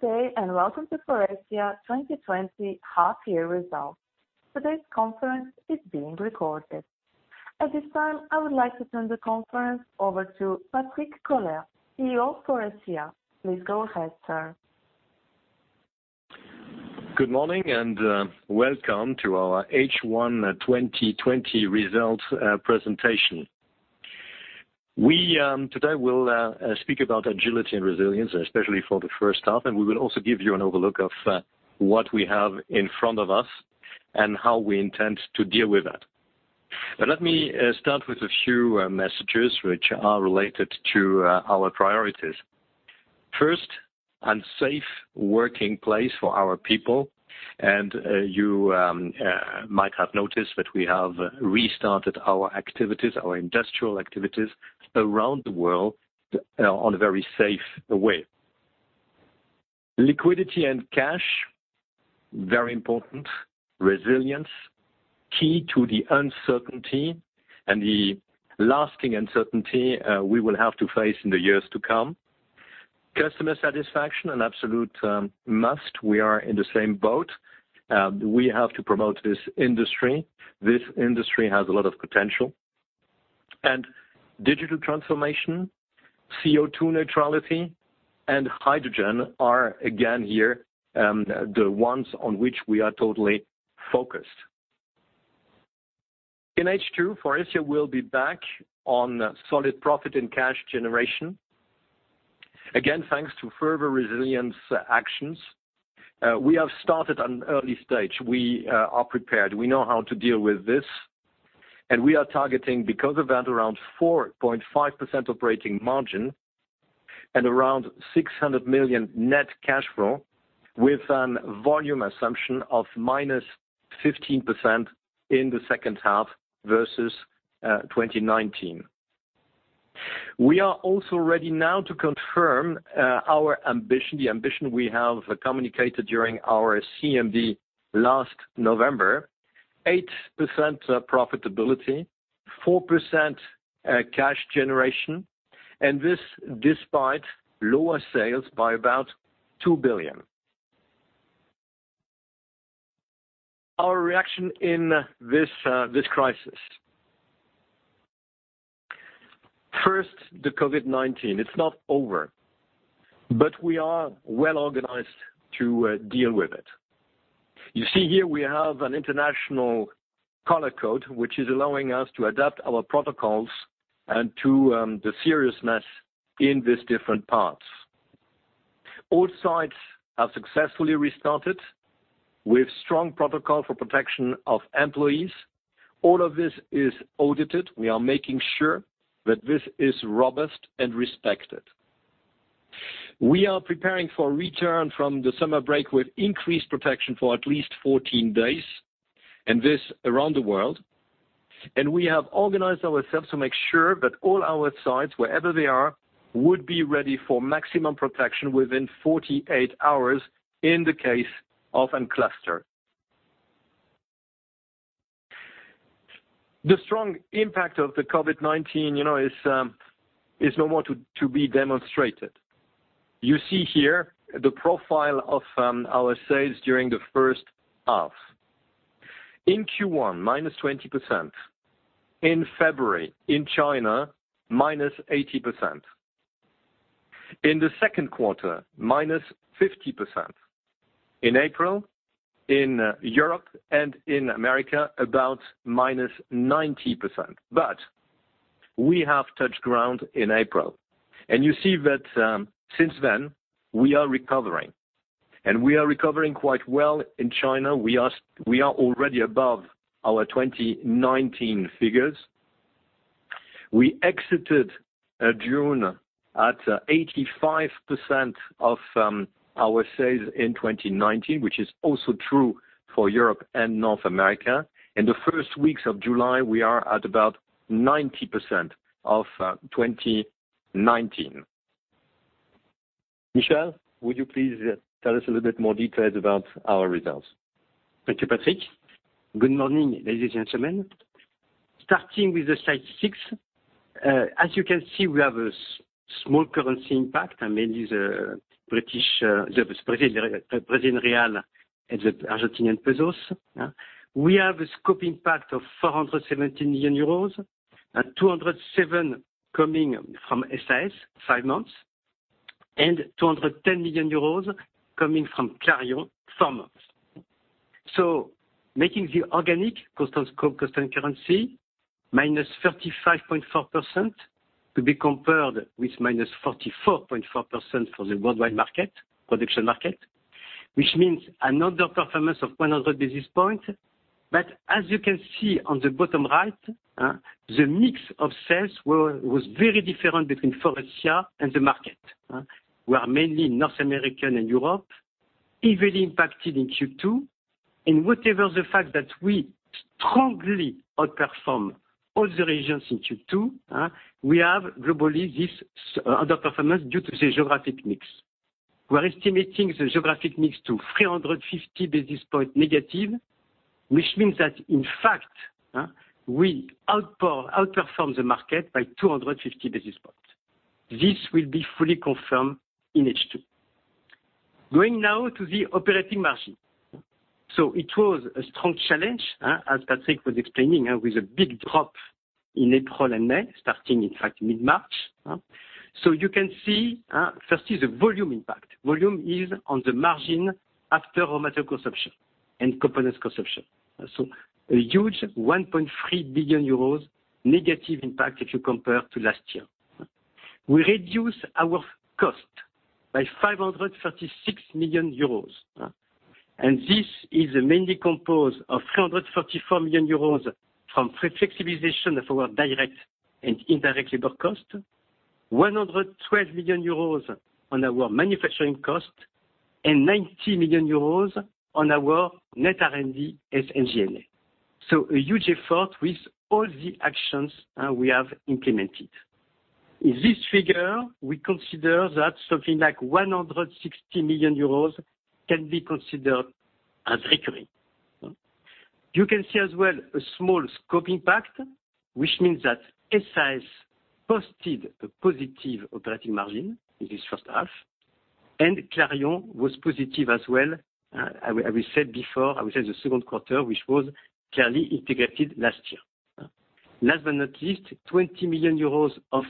Good day, welcome to Forvia 2020 half year results. Today's conference is being recorded. At this time, I would like to turn the conference over to Patrick Koller, CEO of Forvia. Please go ahead, sir. Good morning. Welcome to our H1 2020 results presentation. Today, we'll speak about agility and resilience, especially for the first half, and we will also give you an overlook of what we have in front of us and how we intend to deal with that. Let me start with a few messages which are related to our priorities. First, a safe working place for our people. You might have noticed that we have restarted our activities, our industrial activities around the world, on a very safe way. Liquidity and cash, very important. Resilience, key to the uncertainty and the lasting uncertainty we will have to face in the years to come. Customer satisfaction, an absolute must. We are in the same boat. We have to promote this industry. This industry has a lot of potential. Digital transformation, CO2 neutrality, and hydrogen are, again here, the ones on which we are totally focused. In H2, Forvia will be back on solid profit and cash generation. Again, thanks to further resilience actions. We have started an early stage. We are prepared. We know how to deal with this. We are targeting, because of that, around 4.5% operating margin and around 600 million net cash flow with a volume assumption of minus 15% in the second half versus 2019. We are also ready now to confirm our ambition, the ambition we have communicated during our CMD last November, 8% profitability, 4% cash generation, and this despite lower sales by about 2 billion. Our reaction in this crisis. First, the COVID-19. It's not over. We are well organized to deal with it. You see here we have an international color code, which is allowing us to adapt our protocols and to the seriousness in these different parts. All sites have successfully restarted with strong protocol for protection of employees. All of this is audited. We are making sure that this is robust and respected. We are preparing for return from the summer break with increased protection for at least 14 days, and this around the world. We have organized ourselves to make sure that all our sites, wherever they are, would be ready for maximum protection within 48 hours in the case of a cluster. The strong impact of the COVID-19 is no more to be demonstrated. You see here the profile of our sales during the first half. In Q1, minus 20%. In February in China, minus 80%. In the second quarter, minus 50%. In April, in Europe and in America, about minus 90%. We have touched ground in April. You see that since then, we are recovering, and we are recovering quite well in China. We are already above our 2019 figures. We exited June at 85% of our sales in 2019, which is also true for Europe and North America. In the first weeks of July, we are at about 90% of 2019. Michel, would you please tell us a little bit more details about our results? Thank you, Patrick. Good morning, ladies and gentlemen. Starting with the slide six. As you can see, we have a small currency impact, mainly the Brazilian real and the Argentinian pesos. We have a scope impact of 417 million euros, 207 coming from SAS, five months, and 210 million euros coming from Clarion, four months. Making the organic constant scope, constant currency, -35.4%, to be compared with -44.4% for the worldwide market, production market, which means another performance of 100 basis points. As you can see on the bottom right, the mix of sales was very different between Forvia and the market. We are mainly North American and Europe, heavily impacted in Q2, and whatever the fact that we strongly outperform other regions in Q2, we have globally this underperformance due to the geographic mix. We are estimating the geographic mix to 350 basis points negative. Which means that, in fact, we outperform the market by 250 basis points. This will be fully confirmed in H2. Going now to the operating margin. It was a strong challenge, as Patrick was explaining, with a big drop in April and May, starting in fact mid-March. You can see, first is the volume impact. Volume is on the margin after raw material consumption and components consumption. A huge 1.3 billion euros negative impact if you compare to last year. We reduce our cost by 536 million euros, and this is mainly composed of 344 million euros from flexibilization of our direct and indirect labor cost, 112 million euros on our manufacturing cost, and 90 million euros on our net R&D, SG&A. A huge effort with all the actions we have implemented. In this figure, we consider that something like 160 million euros can be considered as recurring. You can see as well a small scope impact, which means that SIS posted a positive operating margin in this first half, and Clarion was positive as well. As we said before, I would say the second quarter, which was clearly integrated last year. Last not least, 20 million euros of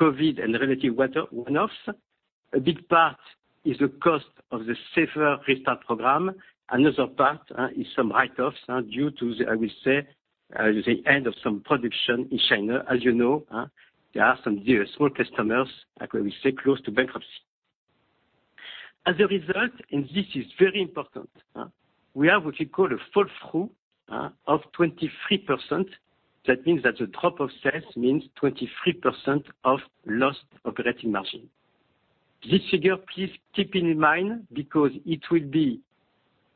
COVID and related one-offs. A big part is the cost of the safer restart program. Another part is some write-offs due to, I will say, the end of some production in China. As you know, there are some small customers, like when we say, close to bankruptcy. As a result, this is very important, we have what we call a flow-through of 23%. That means that the drop of sales means 23% of lost operating margin. This figure, please keep in mind, because it will be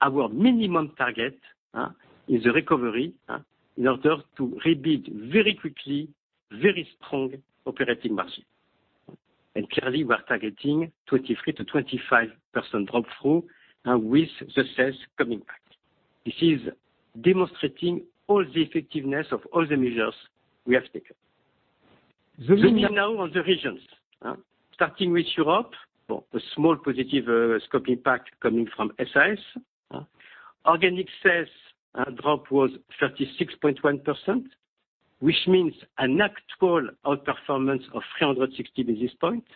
our minimum target in the recovery in order to rebuild very quickly, very strong operating margin. Clearly, we are targeting 23%-25% drop-through with the sales coming back. This is demonstrating all the effectiveness of all the measures we have taken. Let me now on the regions. Starting with Europe, a small positive scope impact coming from SIS. Organic sales drop was 36.1%, which means an actual outperformance of 360 basis points.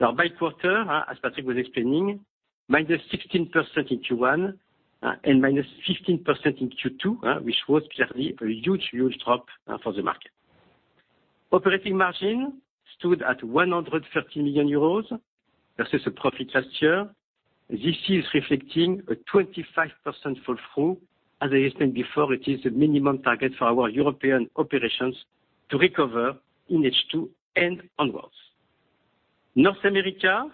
Now by quarter, as Patrick was explaining, minus 16% in Q1 and minus 15% in Q2, which was clearly a huge drop for the market. Operating margin stood at 130 million euros versus a profit last year. This is reflecting a 25% fall-through. As I explained before, it is a minimum target for our European operations to recover in H2 and onwards. North America,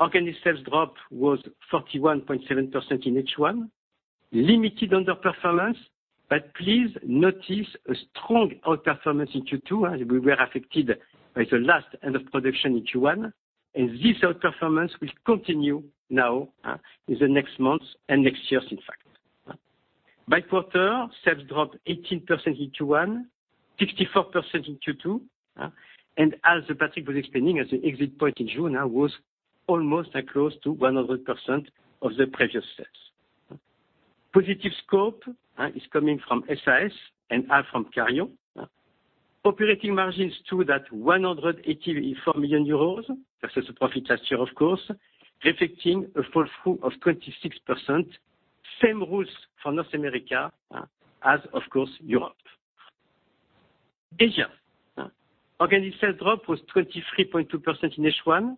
organic sales drop was 31.7% in H1, limited underperformance. Please notice a strong outperformance in Q2. We were affected by the last end of production in Q1, and this outperformance will continue now in the next months and next years in fact. By quarter, sales dropped 18% in Q1, 64% in Q2. As Patrick was explaining, at the exit point in June was almost close to 100% of the previous sales. Positive scope is coming from SAS and half from Clarion. Operating margins stood at 184 million euros versus a profit last year, of course, reflecting a flow-through of 26%. Same rules for North America as of course, Europe. Asia. Organic sales drop was 23.2% in H1,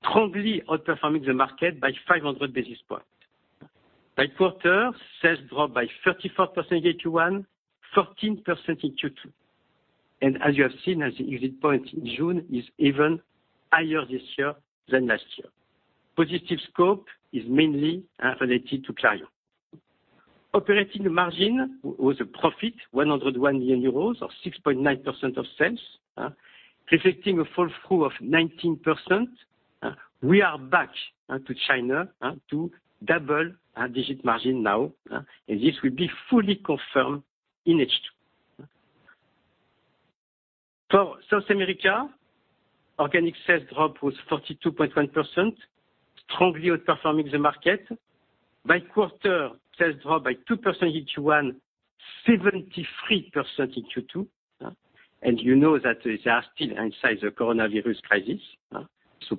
strongly outperforming the market by 500 basis points. By quarter, sales dropped by 34% in Q1, 14% in Q2. As you have seen, at the exit point in June is even higher this year than last year. Positive scope is mainly related to Clarion. Operating margin was a profit, 101 million euros or 6.9% of sales, reflecting a flow-through of 19%. We are back to China to double-digit margin now, and this will be fully confirmed in H2. For South America, organic sales drop was 42.1%, strongly outperforming the market. By quarter, sales dropped by 2% in Q1, 73% in Q2. You know that they are still inside the coronavirus crisis,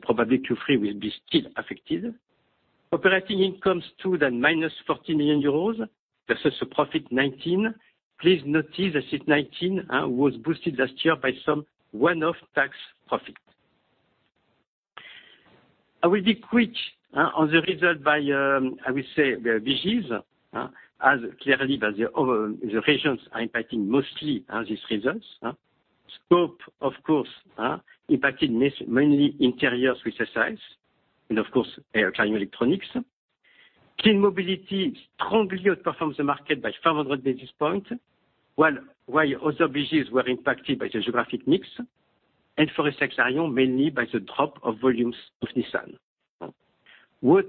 probably Q3 will be still affected. Operating income stood at minus 40 million euros versus a profit 19. Please notice that 19 was boosted last year by some one-off tax profit. I will be quick on the result by, I will say, the BGs, as clearly the regions are impacting mostly these results. Scope, of course, impacted mainly Interiors with SAS, and of course, Clarion Electronics. Clean Mobility strongly outperforms the market by 500 basis points, while other BGs were impacted by the geographic mix. For Faurecia Clarion, mainly by the drop of volumes of Nissan. What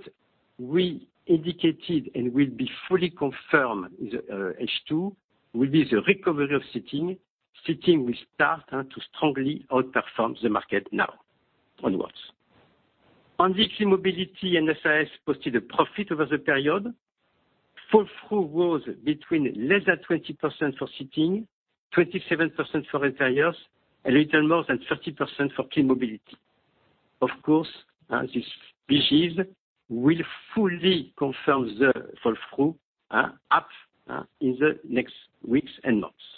we indicated and will be fully confirmed in the H2, will be the recovery of Seating. Seating will start to strongly outperform the market now onwards. On this, mobility and SAS posted a profit over the period. Flow-through growth between less than 20% for Seating, 27% for Interiors, a little more than 30% for Clean Mobility. Of course, these figures will fully confirm the flow-through up in the next weeks and months.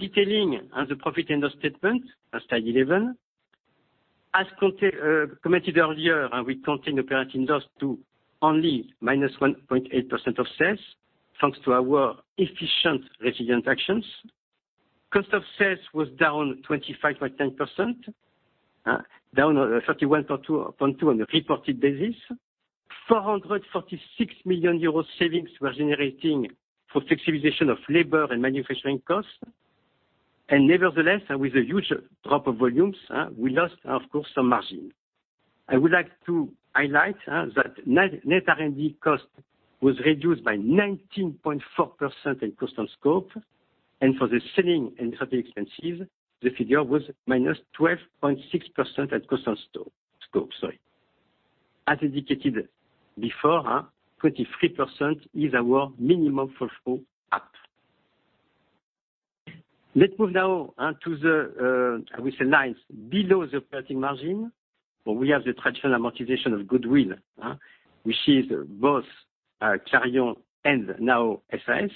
Detailing the profit and loss statement at slide 11. As commented earlier, we contain operating loss to only minus 1.8% of sales, thanks to our efficient resilient actions. Cost of sales was down 25.10%, down 31.2% on a reported basis. 446 million euros savings were generating for flexibilization of labor and manufacturing costs. Nevertheless, with a huge drop of volumes, we lost, of course, some margin. I would like to highlight that net R&D cost was reduced by 19.4% in constant scope, and for the selling and other expenses, the figure was minus 12.6% at constant scope. As indicated before, 23% is our minimum full flow-through. Let's move now to the lines below the operating margin, where we have the traditional amortization of goodwill, which is both Clarion and now SAS.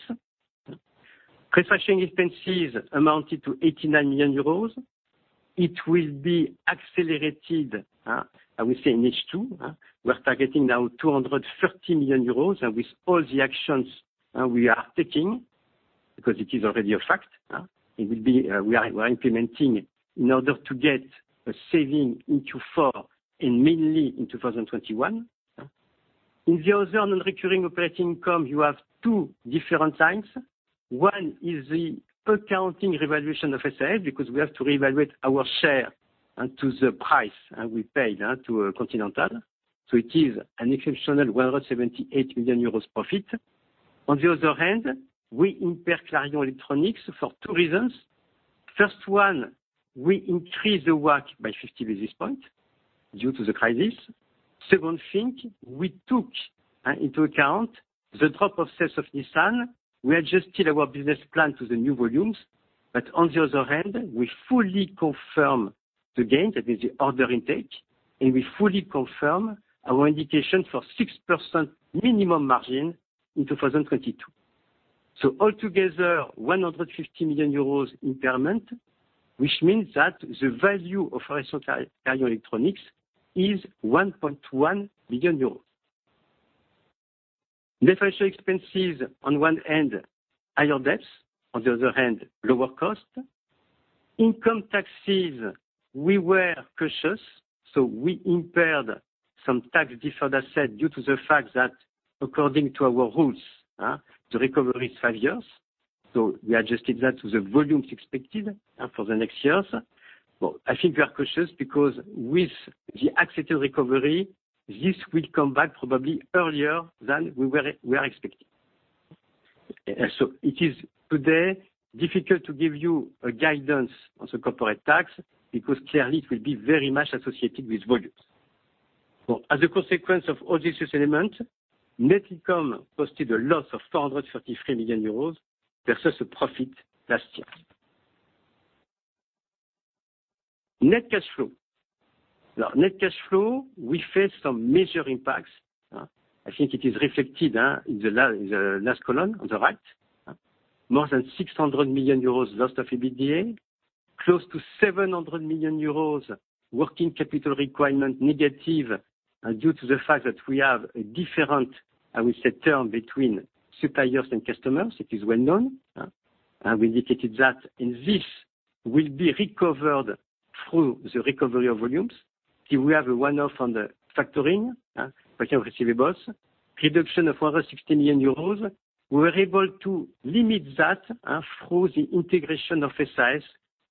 Professional expenses amounted to 89 million euros. It will be accelerated, I will say, in H2. We are targeting now 230 million euros, and with all the actions we are taking, because it is already a fact. We are implementing in order to get a saving in Q4 and mainly in 2021. In the other non-recurring operating income, you have two different items. One is the accounting revaluation of SAS, because we have to reevaluate our share to the price we pay to Continental. It is an exceptional 178 million euros profit. On the other hand, we impair Clarion Electronics for two reasons. First one, we increase the WACC by 50 basis points due to the crisis. Second thing, we took into account the drop of sales of Nissan. We adjusted our business plan to the new volumes, on the other hand, we fully confirm the gain, that is the order intake, and we fully confirm our indication for 6% minimum margin in 2022. Altogether, 150 million euros impairment, which means that the value of Faurecia Clarion Electronics is EUR 1.1 billion. Professional expenses on one hand, higher debts, on the other hand, lower cost. Income taxes, we were cautious, we impaired some tax-deferred asset due to the fact that according to our rules, the recovery is five years. We adjusted that to the volumes expected for the next years. I think we are cautious because with the accepted recovery, this will come back probably earlier than we are expecting. It is today difficult to give you a guidance on the corporate tax because clearly it will be very much associated with volumes. As a consequence of all these elements, net income posted a loss of 433 million euros versus a profit last year. Net cash flow. Net cash flow, we face some major impacts. I think it is reflected in the last column on the right. More than 600 million euros loss of EBITDA. Close to 700 million euros working capital requirement negative due to the fact that we have a different, I would say, term between suppliers and customers. It is well known. We indicated that. This will be recovered through the recovery of volumes. Here we have a one-off on the factoring, factor receivables, reduction of EUR 160 million. We were able to limit that through the integration of SAS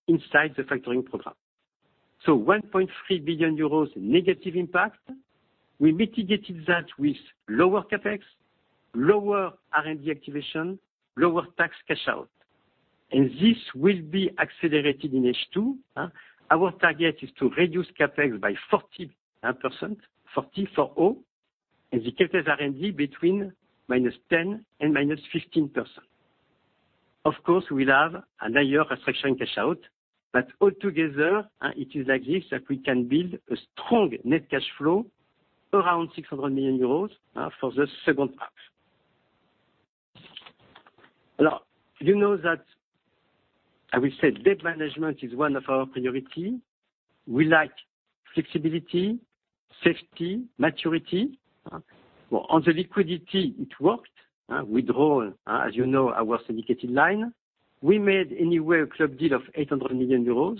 inside the factoring program. 1.3 billion euros negative impact. We mitigated that with lower CapEx, lower R&D activation, lower tax cash out. This will be accelerated in H2. Our target is to reduce CapEx by 40%, and the CapEx R&D between -10% and -15%. Of course, we have and a year restructuring cash out, but all together, it is like this that we can build a strong net cash flow around 600 million euros for the second half. You know that, I will say, debt management is one of our priorities. We like flexibility, safety, maturity. On the liquidity, it worked. We draw, as you know, our syndicated line. We made anyway a club deal of 800 million euros.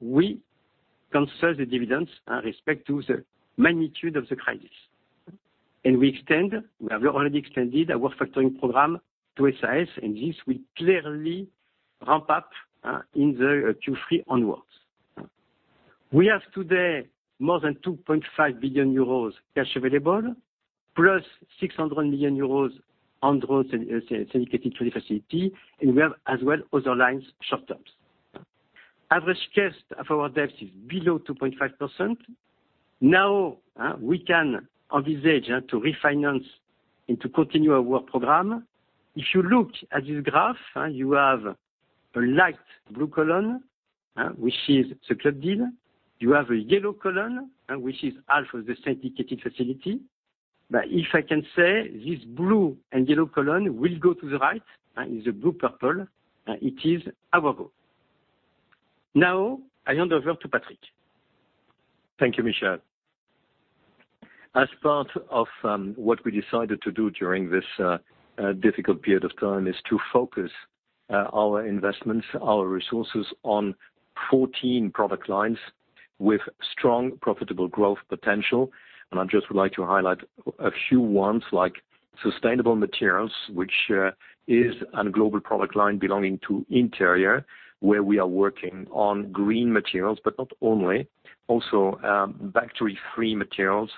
We conserve the dividends respect to the magnitude of the crisis. We extend, we have already extended our work factoring program to SAS, this will clearly ramp up in the Q3 onwards. We have today more than 2.5 billion euros cash available, plus 600 million euros undrawn syndicated facility. We have as well other lines, short-term. Average cost of our debts is below 2.5%. We can envisage to refinance and to continue our work program. If you look at this graph, you have a light blue column, which is the club deal. You have a yellow column, which is half of the syndicated facility. If I can say, this blue and yellow column will go to the right, in the blue purple. It is our goal. I hand over to Patrick. Thank you, Michel. As part of what we decided to do during this difficult period of time, is to focus our investments, our resources on 14 product lines with strong, profitable growth potential. I just would like to highlight a few ones, like sustainable materials, which is a global product line belonging to Interiors, where we are working on green materials, but not only, also, bacteria-free materials,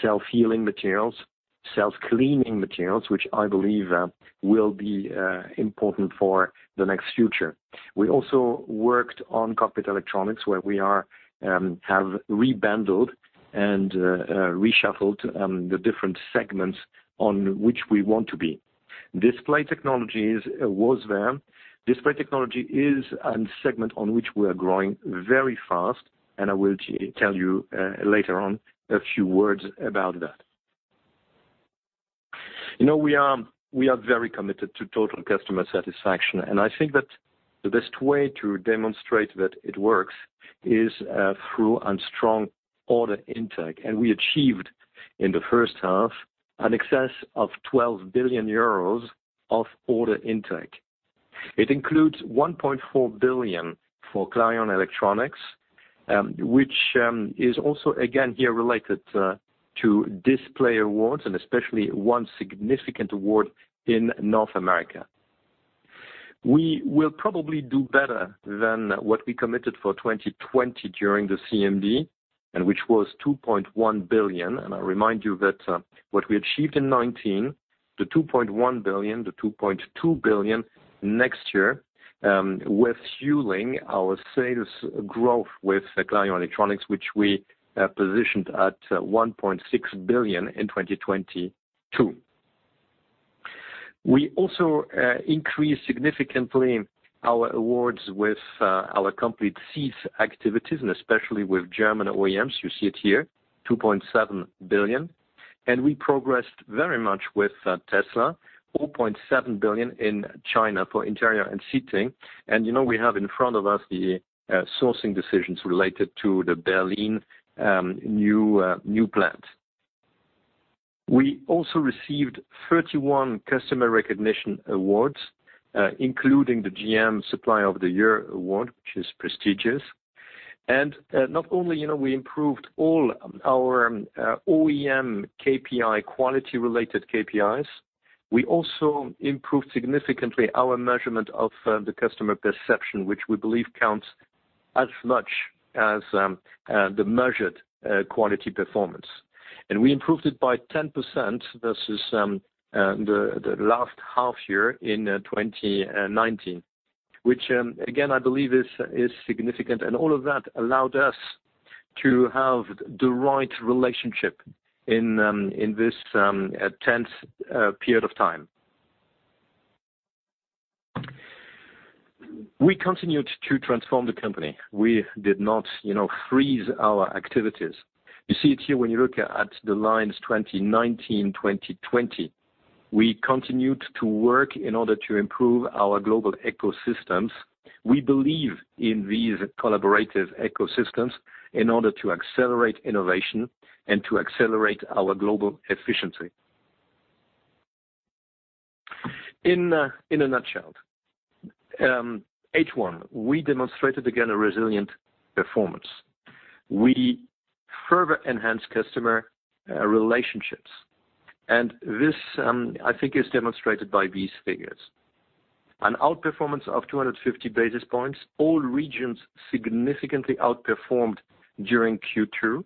self-healing materials, self-cleaning materials, which I believe will be important for the next future. We also worked on cockpit electronics, where we have rebundled and reshuffled the different segments on which we want to be. display technologies was there. display technology is a segment on which we are growing very fast, and I will tell you later on a few words about that. We are very committed to total customer satisfaction, and I think that the best way to demonstrate that it works is through a strong order intake. We achieved, in the first half, an excess of 12 billion euros of order intake. It includes 1.4 billion for Clarion Electronics, which is also again here related to display awards, and especially one significant award in North America. We will probably do better than what we committed for 2020 during the CMD, which was 2.1 billion. I remind you that what we achieved in 2019, the 2.1 billion-2.2 billion next year, with fueling our sales growth with Clarion Electronics, which we positioned at 1.6 billion in 2022. We also increased significantly our awards with our complete Seating activities, and especially with German OEMs. You see it here, 2.7 billion. We progressed very much with Tesla, 4.7 billion in China for Interiors and Seating. You know we have in front of us the sourcing decisions related to the Berlin new plant. We also received 31 customer recognition awards, including the GM Supplier of the Year award, which is prestigious. Not only we improved all our OEM KPI, quality-related KPIs, we also improved significantly our measurement of the customer perception, which we believe counts as much as the measured quality performance. We improved it by 10% versus the last half year in 2019, which again, I believe is significant. All of that allowed us to have the right relationship in this tense period of time. We continued to transform the company. We did not freeze our activities. You see it here when you look at the lines 2019, 2020. We continued to work in order to improve our global ecosystems. We believe in these collaborative ecosystems in order to accelerate innovation and to accelerate our global efficiency. In a nutshell, H1, we demonstrated again a resilient performance. We further enhanced customer relationships, this, I think, is demonstrated by these figures. An outperformance of 250 basis points, all regions significantly outperformed during Q2.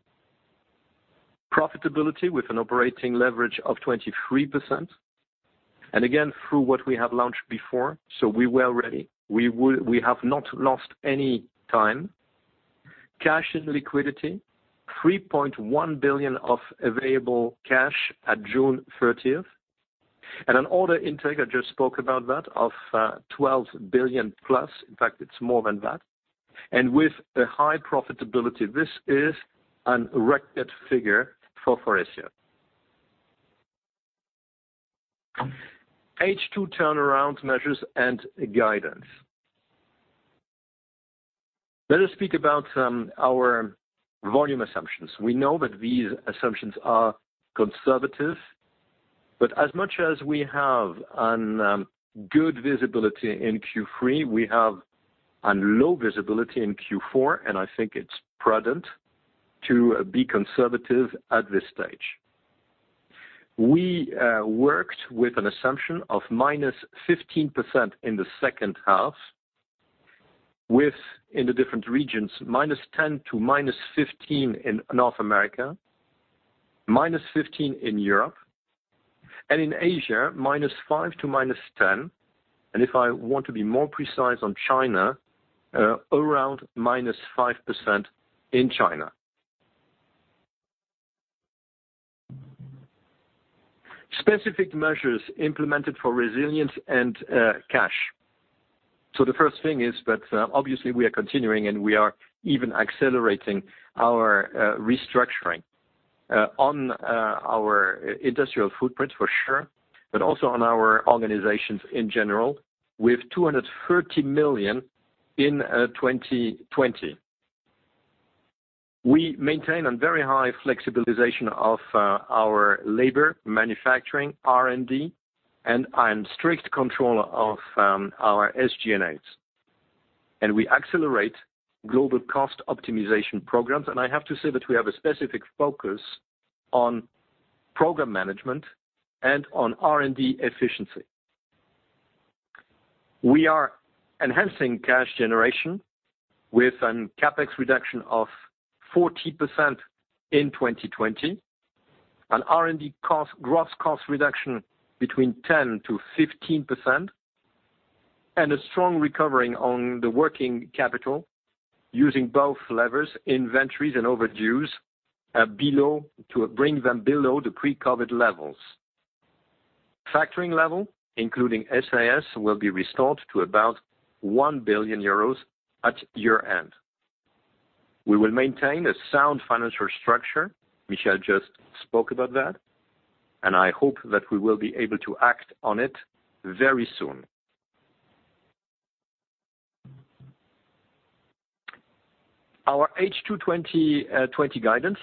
Profitability with an operating leverage of 23%. Again, through what we have launched before, we were ready. We have not lost any time. Cash and liquidity, 3.1 billion of available cash at June 30th. An order intake, I just spoke about that, of 12 billion-plus. In fact, it's more than that. With a high profitability, this is an record figure for Forvia. H2 turnaround measures and guidance. Let us speak about our volume assumptions. We know that these assumptions are conservative. As much as we have good visibility in Q3, we have low visibility in Q4, and I think it's prudent to be conservative at this stage. We worked with an assumption of -15% in the second half, with, in the different regions, -10% to -15% in North America, -15% in Europe, and in Asia, -5% to -10%. If I want to be more precise on China, around -5% in China. Specific measures implemented for resilience and cash. The first thing is that obviously we are continuing, and we are even accelerating our restructuring on our industrial footprint for sure, but also on our organizations in general, with 230 million in 2020. We maintain a very high flexibilization of our labor, manufacturing, R&D, and strict control of our SG&As. We accelerate global cost optimization programs. I have to say that we have a specific focus on program management and on R&D efficiency. We are enhancing cash generation with a CapEx reduction of 40% in 2020, an R&D gross cost reduction between 10%-15%, and a strong recovering on the working capital using both levers, inventories and overdues, to bring them below the pre-COVID levels. Factoring level, including SAS, will be restored to about 1 billion euros at year-end. We will maintain a sound financial structure. Michel just spoke about that, and I hope that we will be able to act on it very soon. Our H2 2020 guidance,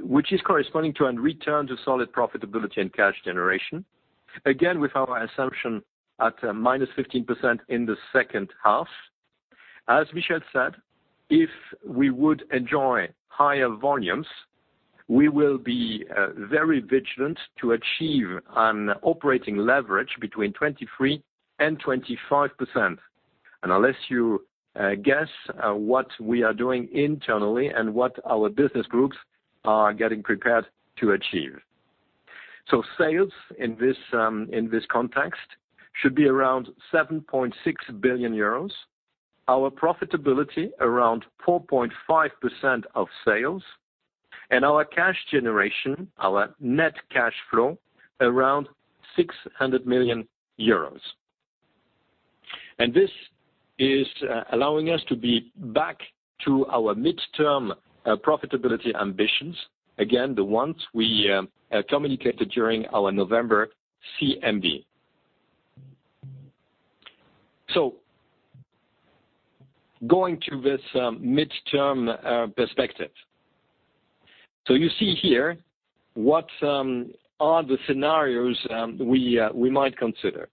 which is corresponding to a return to solid profitability and cash generation, again with our assumption at -15% in the second half. As Michel said, if we would enjoy higher volumes, we will be very vigilant to achieve an operating leverage between 23% and 25%. Unless you guess what we are doing internally and what our business groups are getting prepared to achieve. Sales in this context should be around 7.6 billion euros, our profitability around 4.5% of sales, and our cash generation, our net cash flow, around 600 million euros. This is allowing us to be back to our midterm profitability ambitions. Again, the ones we communicated during our November CMD. Going to this midterm perspective. You see here what are the scenarios we might consider.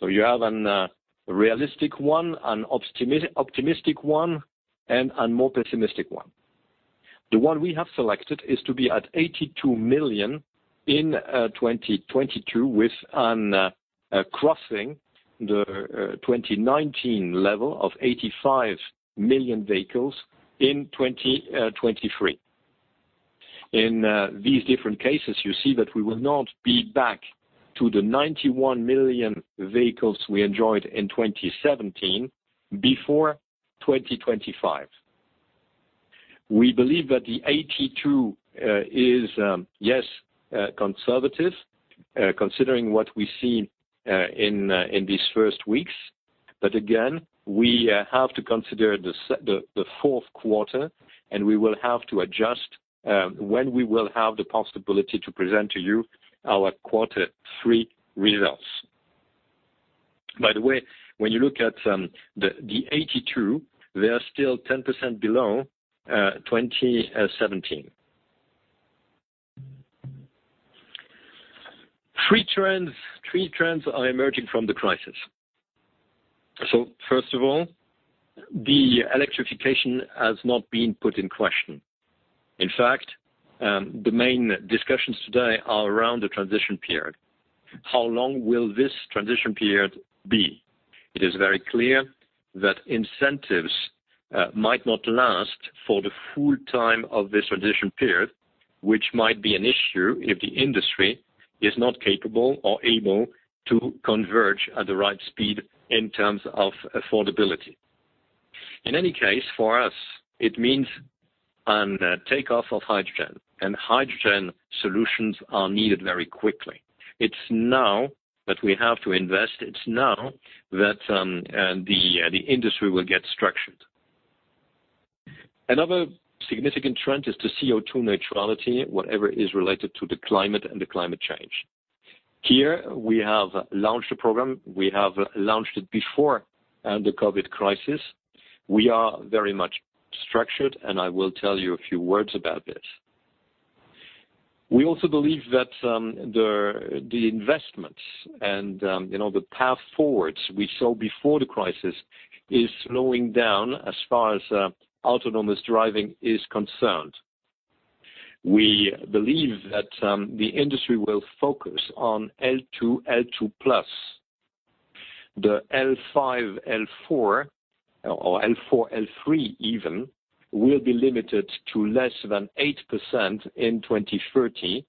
You have a realistic one, an optimistic one, and a more pessimistic one. The one we have selected is to be at 82 million in 2022 with crossing the 2019 level of 85 million vehicles in 2023. In these different cases, you see that we will not be back to the 91 million vehicles we enjoyed in 2017 before 2025. We believe that the 82 is, yes, conservative, considering what we've seen in these first weeks. Again, we have to consider the fourth quarter, and we will have to adjust when we will have the possibility to present to you our quarter three results. By the way, when you look at the 82, they are still 10% below 2017. Three trends are emerging from the crisis. First of all, the electrification has not been put in question. In fact, the main discussions today are around the transition period. How long will this transition period be? It is very clear that incentives might not last for the full time of this transition period, which might be an issue if the industry is not capable or able to converge at the right speed in terms of affordability. In any case, for us, it means a takeoff of hydrogen, and hydrogen solutions are needed very quickly. It's now that we have to invest. It's now that the industry will get structured. Another significant trend is the CO2 neutrality, whatever is related to the climate and the climate change. Here, we have launched a program. We have launched it before the COVID crisis. We are very much structured. I will tell you a few words about this. We also believe that the investments and the path forwards we saw before the crisis is slowing down as far as autonomous driving is concerned. We believe that the industry will focus on L2+. The L5, L4, or L4, L3 even, will be limited to less than 8% in 2030,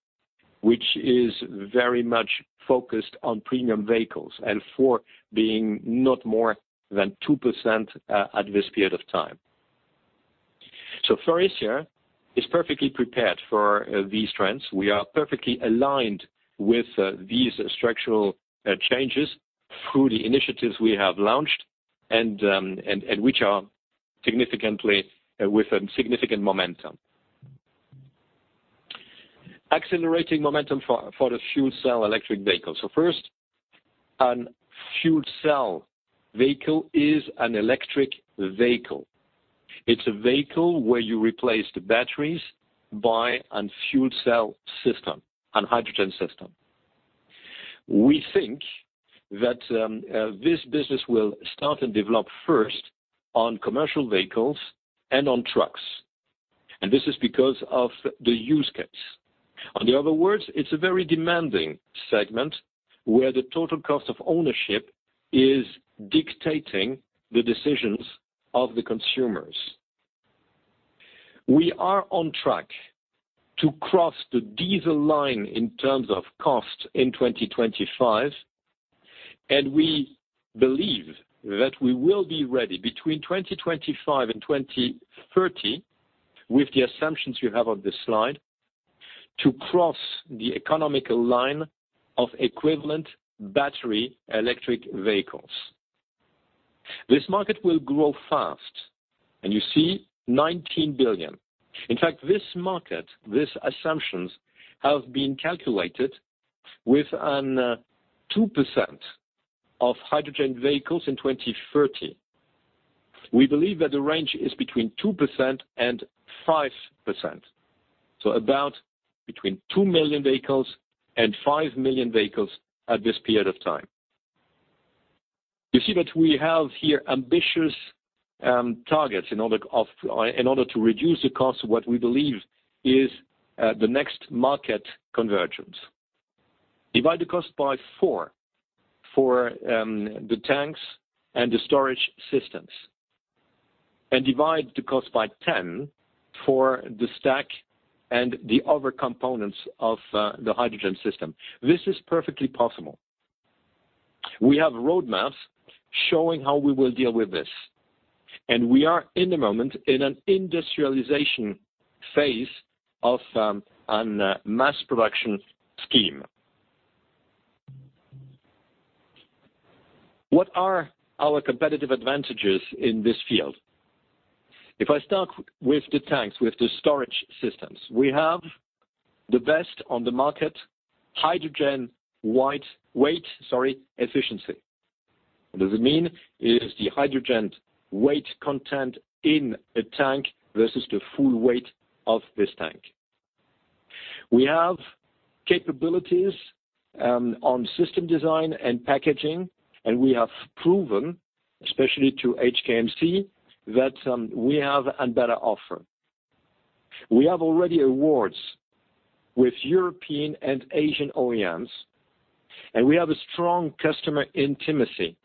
which is very much focused on premium vehicles, L4 being not more than 2% at this period of time. FORVIA is perfectly prepared for these trends. We are perfectly aligned with these structural changes through the initiatives we have launched and which are with significant momentum. Accelerating momentum for the fuel cell electric vehicle. First, a fuel cell vehicle is an electric vehicle. It's a vehicle where you replace the batteries by a fuel cell system and hydrogen system. We think that this business will start and develop first on commercial vehicles and on trucks, and this is because of the use case. In other words, it's a very demanding segment where the total cost of ownership is dictating the decisions of the consumers. We are on track to cross the diesel line in terms of cost in 2025. We believe that we will be ready between 2025 and 2030, with the assumptions you have on this slide, to cross the economical line of equivalent battery electric vehicles. This market will grow fast. You see 19 billion. In fact, this market, these assumptions, have been calculated with 2% of hydrogen vehicles in 2030. We believe that the range is between 2%-5%, so about between 2 million vehicles and 5 million vehicles at this period of time. You see that we have here ambitious targets in order to reduce the cost of what we believe is the next market convergence. Divide the cost by four for the tanks and the storage systems. Divide the cost by 10 for the stack and the other components of the hydrogen system. This is perfectly possible. We have roadmaps showing how we will deal with this, and we are, in the moment, in an industrialization phase of a mass production scheme. What are our competitive advantages in this field? If I start with the tanks, with the storage systems, we have the best on the market hydrogen weight efficiency. What does it mean? It is the hydrogen weight content in a tank versus the full weight of this tank. We have capabilities on system design and packaging, and we have proven, especially to HKMC, that we have a better offer. We have already awards with European and Asian OEMs, and we have a strong customer intimacy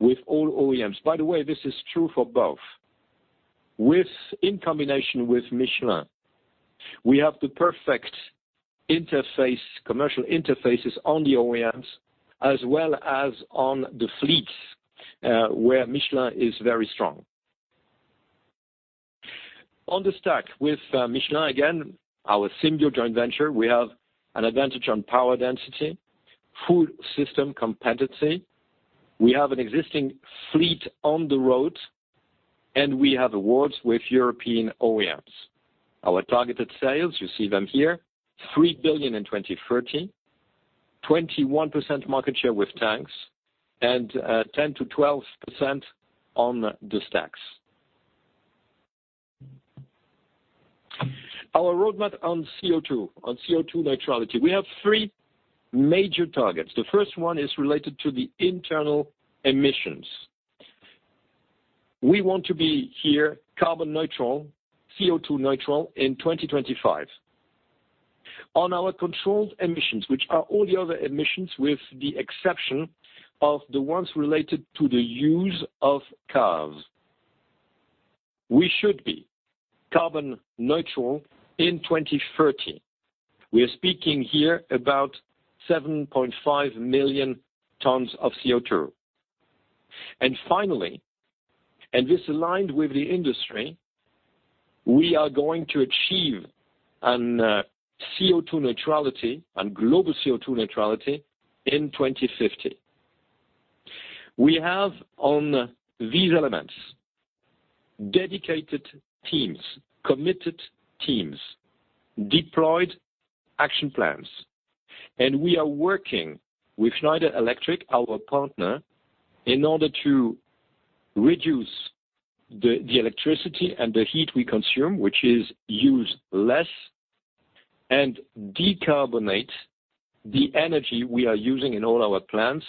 with all OEMs. By the way, this is true for both. In combination with Michelin, we have the perfect commercial interfaces on the OEMs as well as on the fleets, where Michelin is very strong. On the stack, with Michelin, again, our Symbio joint venture, we have an advantage on power density, full system competency, we have an existing fleet on the road, and we have awards with European OEMs. Our targeted sales, you see them here, 3 billion in 2030, 21% market share with tanks, and 10%-12% on the stacks. Our roadmap on CO2 neutrality. We have three major targets. The first one is related to the internal emissions. We want to be here carbon neutral, CO2 neutral in 2025. On our controlled emissions, which are all the other emissions with the exception of the ones related to the use of cars, we should be carbon neutral in 2030. We are speaking here about 7.5 million tons of CO2. Finally, and this aligned with the industry, we are going to achieve a global CO2 neutrality in 2050. We have on these elements dedicated teams, committed teams, deployed action plans. We are working with Schneider Electric, our partner, in order to reduce the electricity and the heat we consume, which is used less, and decarbonate the energy we are using in all our plants,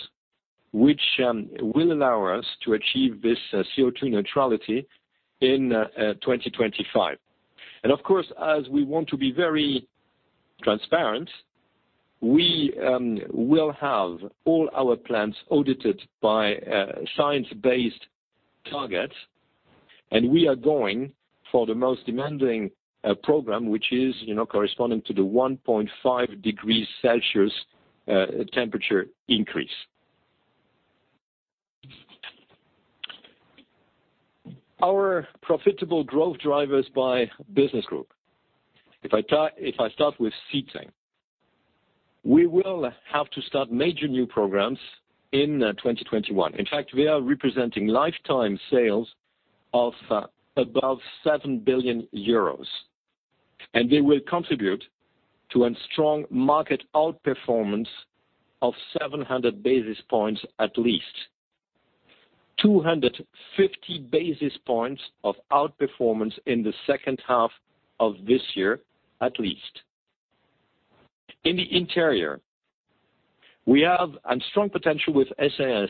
which will allow us to achieve this CO2 neutrality in 2025. Of course, as we want to be very transparent, we will have all our plants audited by science-based targets, and we are going for the most demanding program, which is corresponding to the 1.5 degrees Celsius temperature increase. Our profitable growth drivers by Business Group. If I start with Seating, we will have to start major new programs in 2021. In fact, we are representing lifetime sales of above 7 billion euros, and they will contribute to a strong market outperformance of 700 basis points at least. 250 basis points of outperformance in the second half of this year, at least. In the Interiors, we have a strong potential with SAS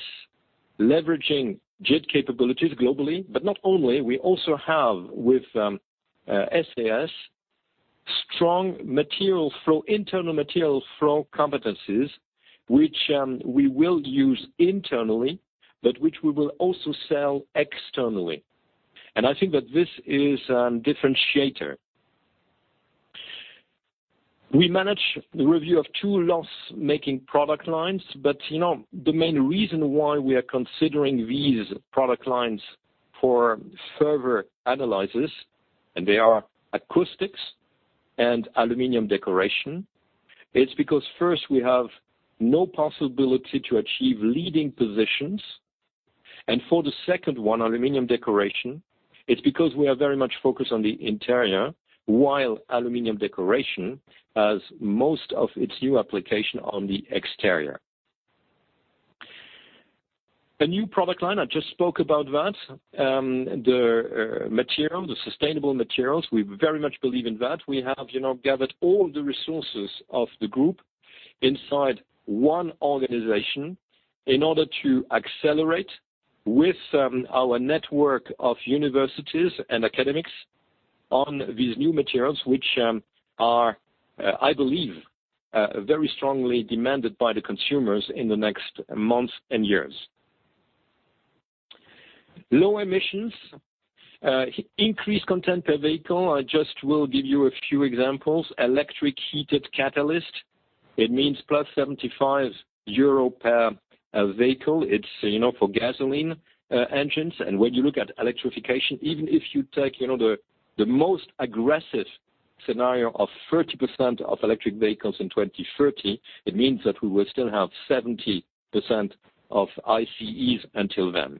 leveraging JIT capabilities globally. Not only, we also have, with SAS, strong internal material flow competencies, which we will use internally, but which we will also sell externally. I think that this is a differentiator. We manage the review of two loss-making product lines, but the main reason why we are considering these product lines for further analysis, and they are acoustics and aluminum decoration, it's because first, we have no possibility to achieve leading positions, and for the second one, aluminum decoration, it's because we are very much focused on the interior, while aluminum decoration has most of its new application on the exterior. The new product line, I just spoke about that. The Sustainable Materials, we very much believe in that. We have gathered all the resources of the group inside one organization in order to accelerate with our network of universities and academics on these new materials, which are, I believe, very strongly demanded by the consumers in the next months and years. Low emissions. Increased content per vehicle. I just will give you a few examples. electric heated catalyst, it means plus 75 euro per vehicle. It's for gasoline engines. When you look at electrification, even if you take the most aggressive scenario of 30% of electric vehicles in 2030, it means that we will still have 70% of ICEs until then.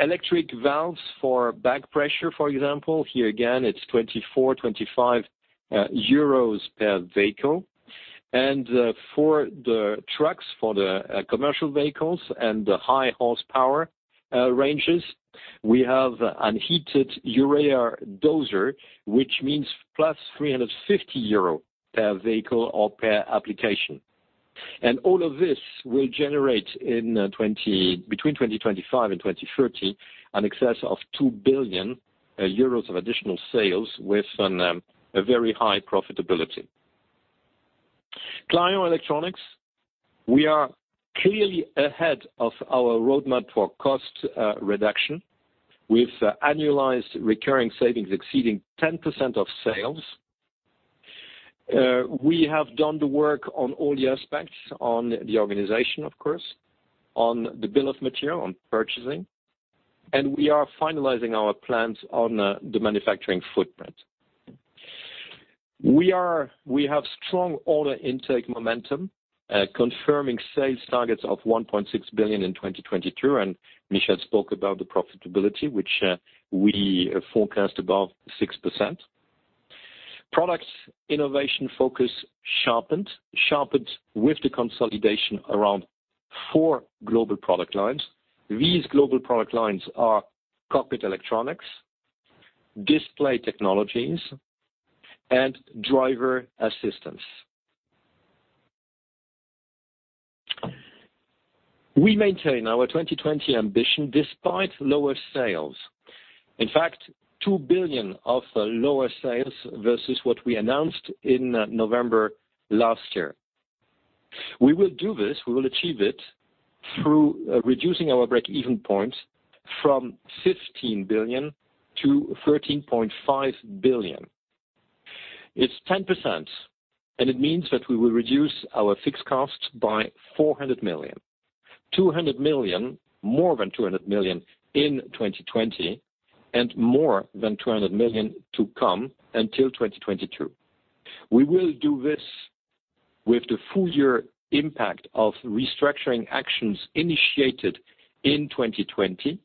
Electric valves for back pressure, for example. Here again, it's 24 euros, 25 euros per vehicle. For the trucks, for the commercial vehicles and the high horsepower ranges, we have a heated urea doser, which means plus 350 euro per vehicle or per application. All of this will generate between 2025 and 2030, an excess of 2 billion euros of additional sales with a very high profitability. Faurecia Clarion Electronics. We are clearly ahead of our roadmap for cost reduction, with annualized recurring savings exceeding 10% of sales. We have done the work on all the aspects, on the organization, of course, on the bill of material, on purchasing, and we are finalizing our plans on the manufacturing footprint. We have strong order intake momentum, confirming sales targets of 1.6 billion in 2022, and Michel spoke about the profitability, which we forecast above 6%. Products innovation focus sharpened. Sharpened with the consolidation around four global product lines. These global product lines are cockpit electronics, display technologies, and driver assistance. We maintain our 2020 ambition despite lower sales. In fact, 2 billion of lower sales versus what we announced in November last year. We will do this, we will achieve it through reducing our break-even point from 15 billion-13.5 billion. It's 10%, it means that we will reduce our fixed costs by 400 million. More than 200 million in 2020, more than 200 million to come until 2022. We will do this with the full year impact of restructuring actions initiated in 2020,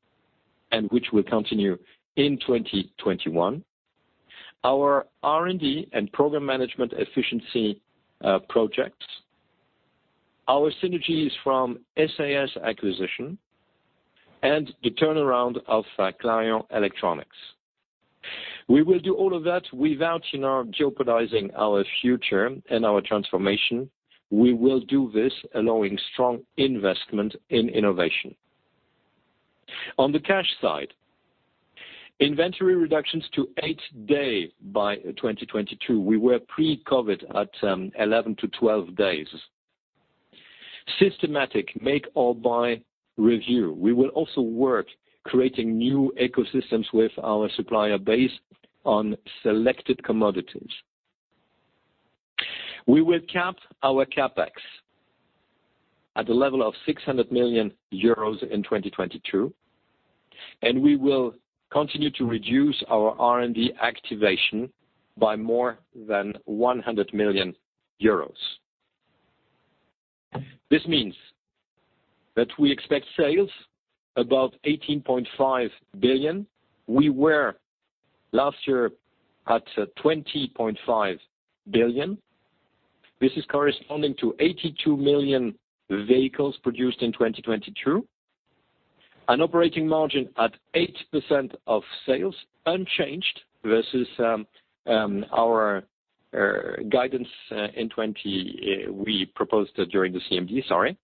which will continue in 2021. Our R&D and program management efficiency projects, our synergies from SAS acquisition, and the turnaround of Clarion Electronics. We will do all of that without jeopardizing our future and our transformation. We will do this allowing strong investment in innovation. On the cash side, inventory reductions to eight-day by 2022. We were pre-COVID at 11-12 days. Systematic make or buy review. We will also work creating new ecosystems with our supplier base on selected commodities. We will cap our CapEx at the level of 600 million euros in 2022, and we will continue to reduce our R&D activation by more than EUR 100 million. This means that we expect sales above 18.5 billion. We were, last year, at 20.5 billion. This is corresponding to 82 million vehicles produced in 2022. An operating margin at 8% of sales, unchanged, versus our guidance in 2020, we proposed during the CMD, sorry.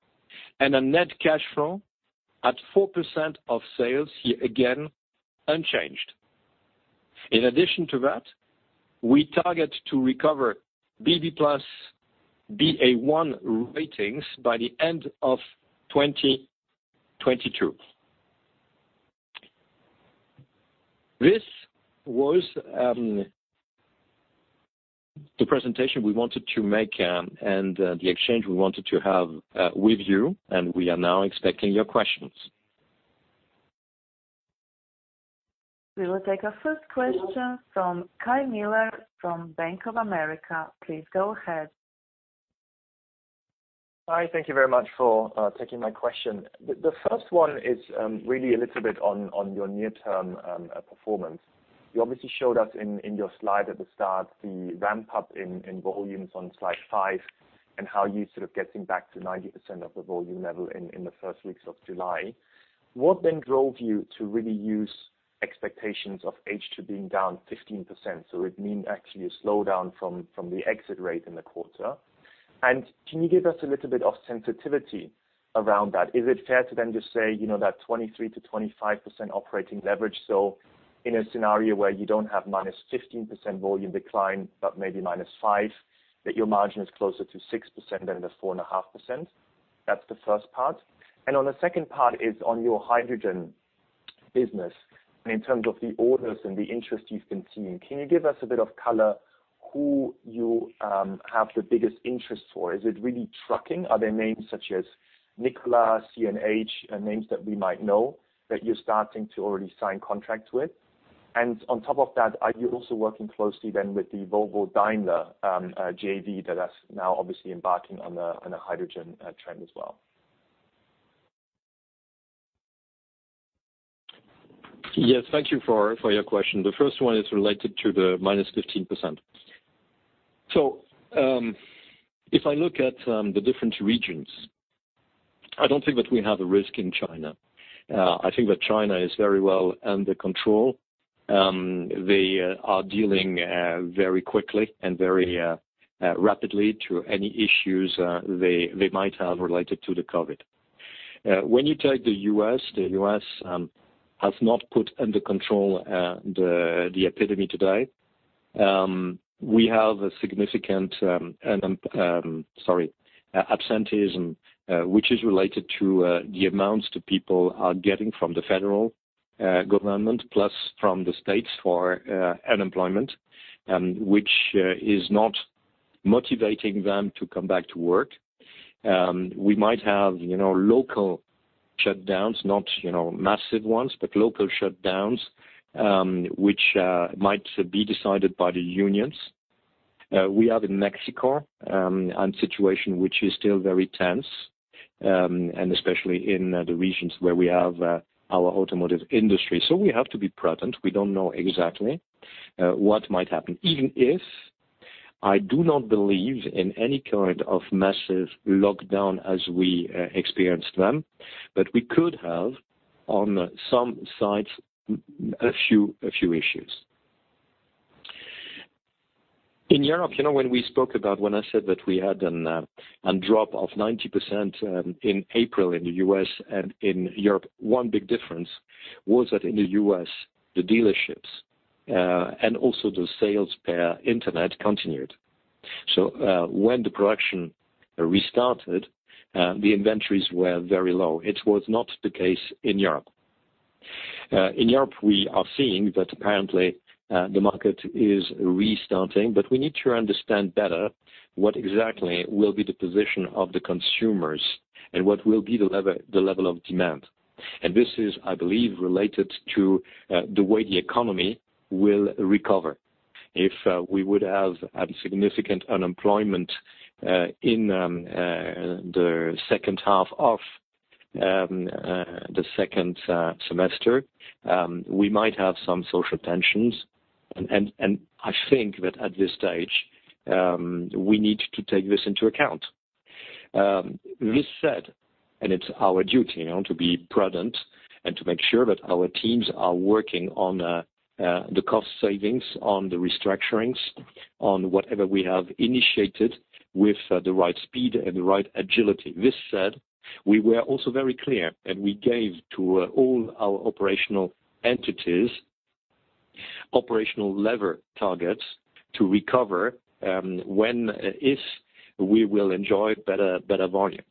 A net cash flow at 4% of sales, again, unchanged. In addition to that, we target to recover BB+, Ba1 ratings by the end of 2022. This was the presentation we wanted to make and the exchange we wanted to have with you, and we are now expecting your questions. We will take our first question from Kai Mueller from Bank of America. Please go ahead. Hi. Thank you very much for taking my question. The first one is really a little bit on your near-term performance. You obviously showed us in your slide at the start, the ramp-up in volumes on slide five, and how you sort of getting back to 90% of the volume level in the first weeks of July. What drove you to really use expectations of H2 being down 15%? It means actually a slowdown from the exit rate in the quarter. Can you give us a little bit of sensitivity around that? Is it fair to just say, that 23%-25% operating leverage, in a scenario where you don't have -15% volume decline, but maybe -5%, that your margin is closer to 6% than the 4.5%? That's the first part. On the second part is on your hydrogen business. In terms of the orders and the interest you've been seeing, can you give us a bit of color who you have the biggest interest for? Is it really trucking? Are there names such as Nikola, CNH, names that we might know that you're starting to already sign contract with? On top of that, are you also working closely then with the Volvo-Daimler JV that is now obviously embarking on a hydrogen trend as well? Yes. Thank you for your question. The first one is related to the -15%. If I look at the different regions, I don't think that we have a risk in China. I think that China is very well under control. They are dealing very quickly and very rapidly to any issues they might have related to the COVID. When you take the U.S., the U.S. has not put under control the epidemic today. We have a significant absenteeism, which is related to the amounts that people are getting from the federal government, plus from the states for unemployment, which is not motivating them to come back to work. We might have local shutdowns, not massive ones, but local shutdowns, which might be decided by the unions. We have, in Mexico, a situation which is still very tense, and especially in the regions where we have our automotive industry. We have to be prudent. We don't know exactly what might happen, even if I do not believe in any kind of massive lockdown as we experienced them. We could have, on some sides, a few issues. In Europe, when I said that we had a drop of 90% in April in the U.S. and in Europe, one big difference was that in the U.S., the dealerships, and also the sales per internet continued. When the production restarted, the inventories were very low. It was not the case in Europe. In Europe, we are seeing that apparently, the market is restarting, but we need to understand better what exactly will be the position of the consumers and what will be the level of demand. This is, I believe, related to the way the economy will recover. If we would have had significant unemployment in the second half of the second semester, we might have some social tensions. I think that at this stage, we need to take this into account. This said, and it's our duty, to be prudent and to make sure that our teams are working on the cost savings, on the restructurings, on whatever we have initiated with the right speed and the right agility. This said, we were also very clear, and we gave to all our operational entities, operational lever targets to recover, when, if we will enjoy better volumes.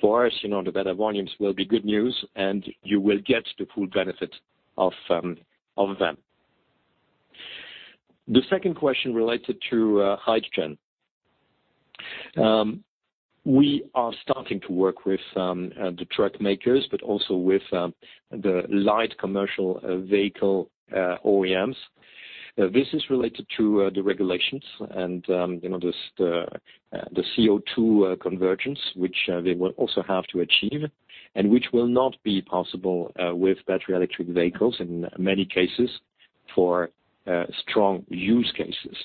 For us, the better volumes will be good news, and you will get the full benefit of them. The second question related to hydrogen. We are starting to work with the truck makers, but also with the light commercial vehicle OEMs. This is related to the regulations and the CO2 convergence, which they will also have to achieve, and which will not be possible with battery electric vehicles in many cases for strong use cases.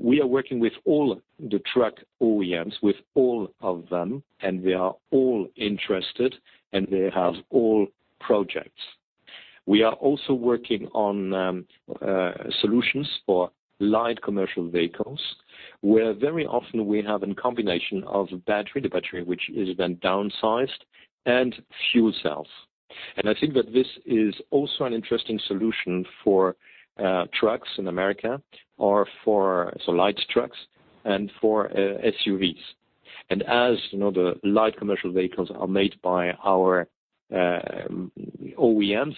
We are working with all the truck OEMs, with all of them, and they are all interested, and they have all projects. We are also working on solutions for light commercial vehicles, where very often we have a combination of battery, the battery which is then downsized, and fuel cells. I think that this is also an interesting solution for trucks in America or for light trucks and for SUVs. As the light commercial vehicles are made by our OEMs,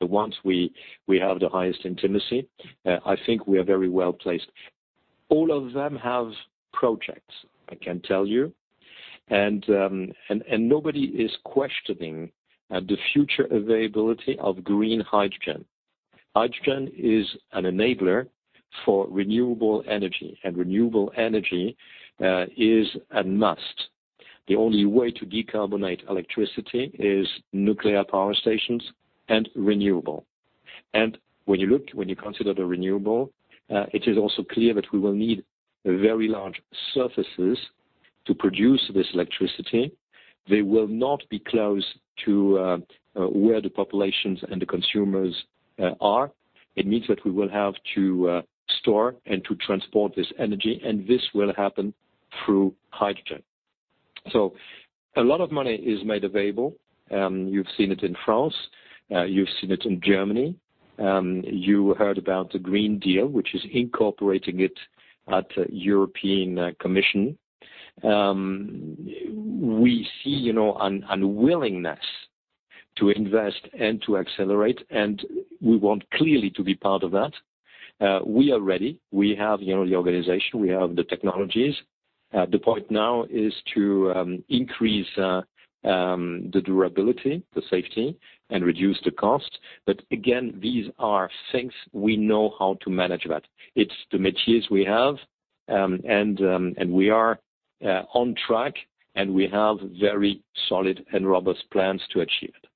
the ones we have the highest intimacy, I think we are very well-placed. All of them have projects, I can tell you, and nobody is questioning the future availability of green hydrogen. Hydrogen is an enabler for renewable energy, and renewable energy is a must. The only way to decarbonate electricity is nuclear power stations and renewable. When you consider the renewable, it is also clear that we will need very large surfaces to produce this electricity. They will not be close to where the populations and the consumers are. It means that we will have to store and to transport this energy, and this will happen through hydrogen. A lot of money is made available. You've seen it in France, you've seen it in Germany. You heard about the Green Deal, which is incorporating it at European Commission. We see an unwillingness to invest and to accelerate, and we want clearly to be part of that. We are ready. We have the organization, we have the technologies. The point now is to increase the durability, the safety, and reduce the cost. Again, these are things we know how to manage that. It's the materials we have, and we are on track, and we have very solid and robust plans to achieve it.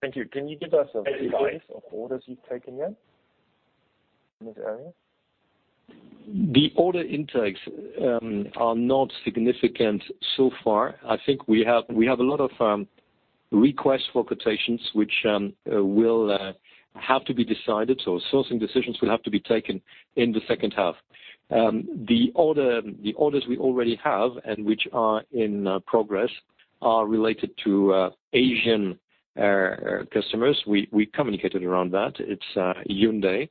Thank you. Can you give us advice of orders you've taken yet in this area? The order intakes are not significant so far. I think we have a lot of requests for quotations, which will have to be decided, so sourcing decisions will have to be taken in the second half. The orders we already have and which are in progress are related to Asian customers. We communicated around that. It's Hyundai,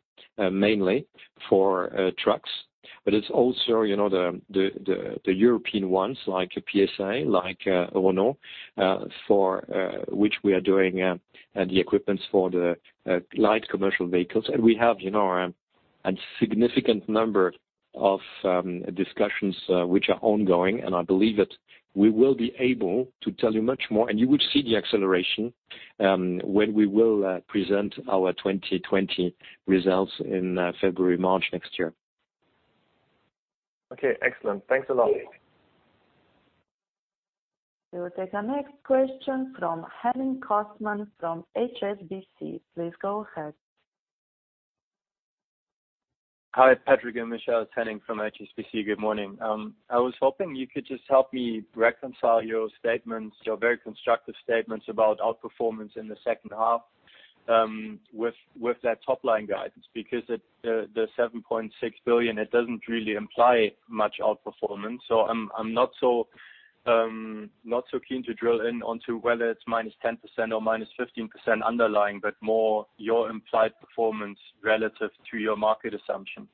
mainly, for trucks. It's also the European ones like PSA, like Renault, for which we are doing the equipments for the light commercial vehicles. We have a significant number of discussions, which are ongoing. I believe that we will be able to tell you much more, and you would see the acceleration, when we will present our 2020 results in February, March next year. Okay, excellent. Thanks a lot. We will take our next question from Henning Cosman from HSBC. Please go ahead. Hi, Patrick and Michel. It's Henning from HSBC. Good morning. I was hoping you could just help me reconcile your statements, your very constructive statements about outperformance in the second half, with that top-line guidance, because the 7.6 billion, it doesn't really imply much outperformance. I'm not so keen to drill in onto whether it's -10% or -15% underlying, but more your implied performance relative to your market assumption.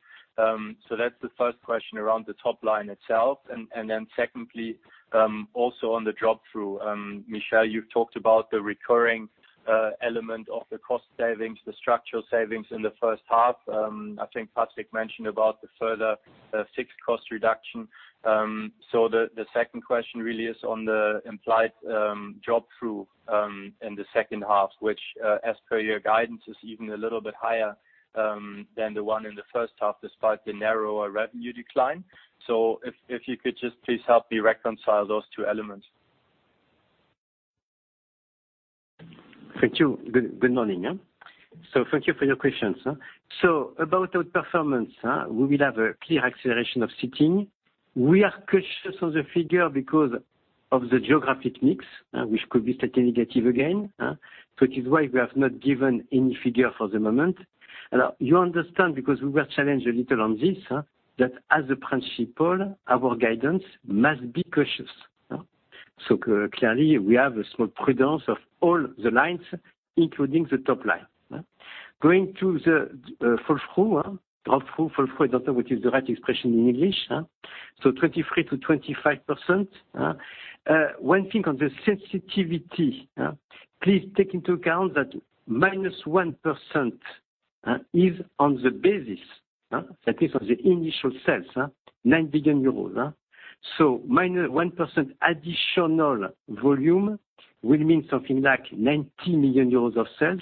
That's the first question around the top line itself. Secondly, also on the drop-through. Michel, you've talked about the recurring element of the cost savings, the structural savings in the first half. I think Patrick mentioned about the further fixed cost reduction. The second question really is on the implied drop-through in the second half, which, as per your guidance, is even a little bit higher than the one in the first half, despite the narrower revenue decline. If you could just please help me reconcile those two elements. Thank you. Good morning. Thank you for your questions. About outperformance, we will have a clear acceleration of Seating. We are cautious of the figure because of the geographic mix, which could be slightly negative again. It is why we have not given any figure for the moment. Now, you understand, because we were challenged a little on this, that as a principle, our guidance must be cautious. Clearly, we have a small prudence of all the lines, including the top line. Going to the flow-through, I don't know which is the right expression in English. 23%-25%. One thing on the sensitivity, please take into account that -1% is on the basis. That is on the initial sales, 9 billion euros. Minus 1% additional volume will mean something like 90 million euros of sales,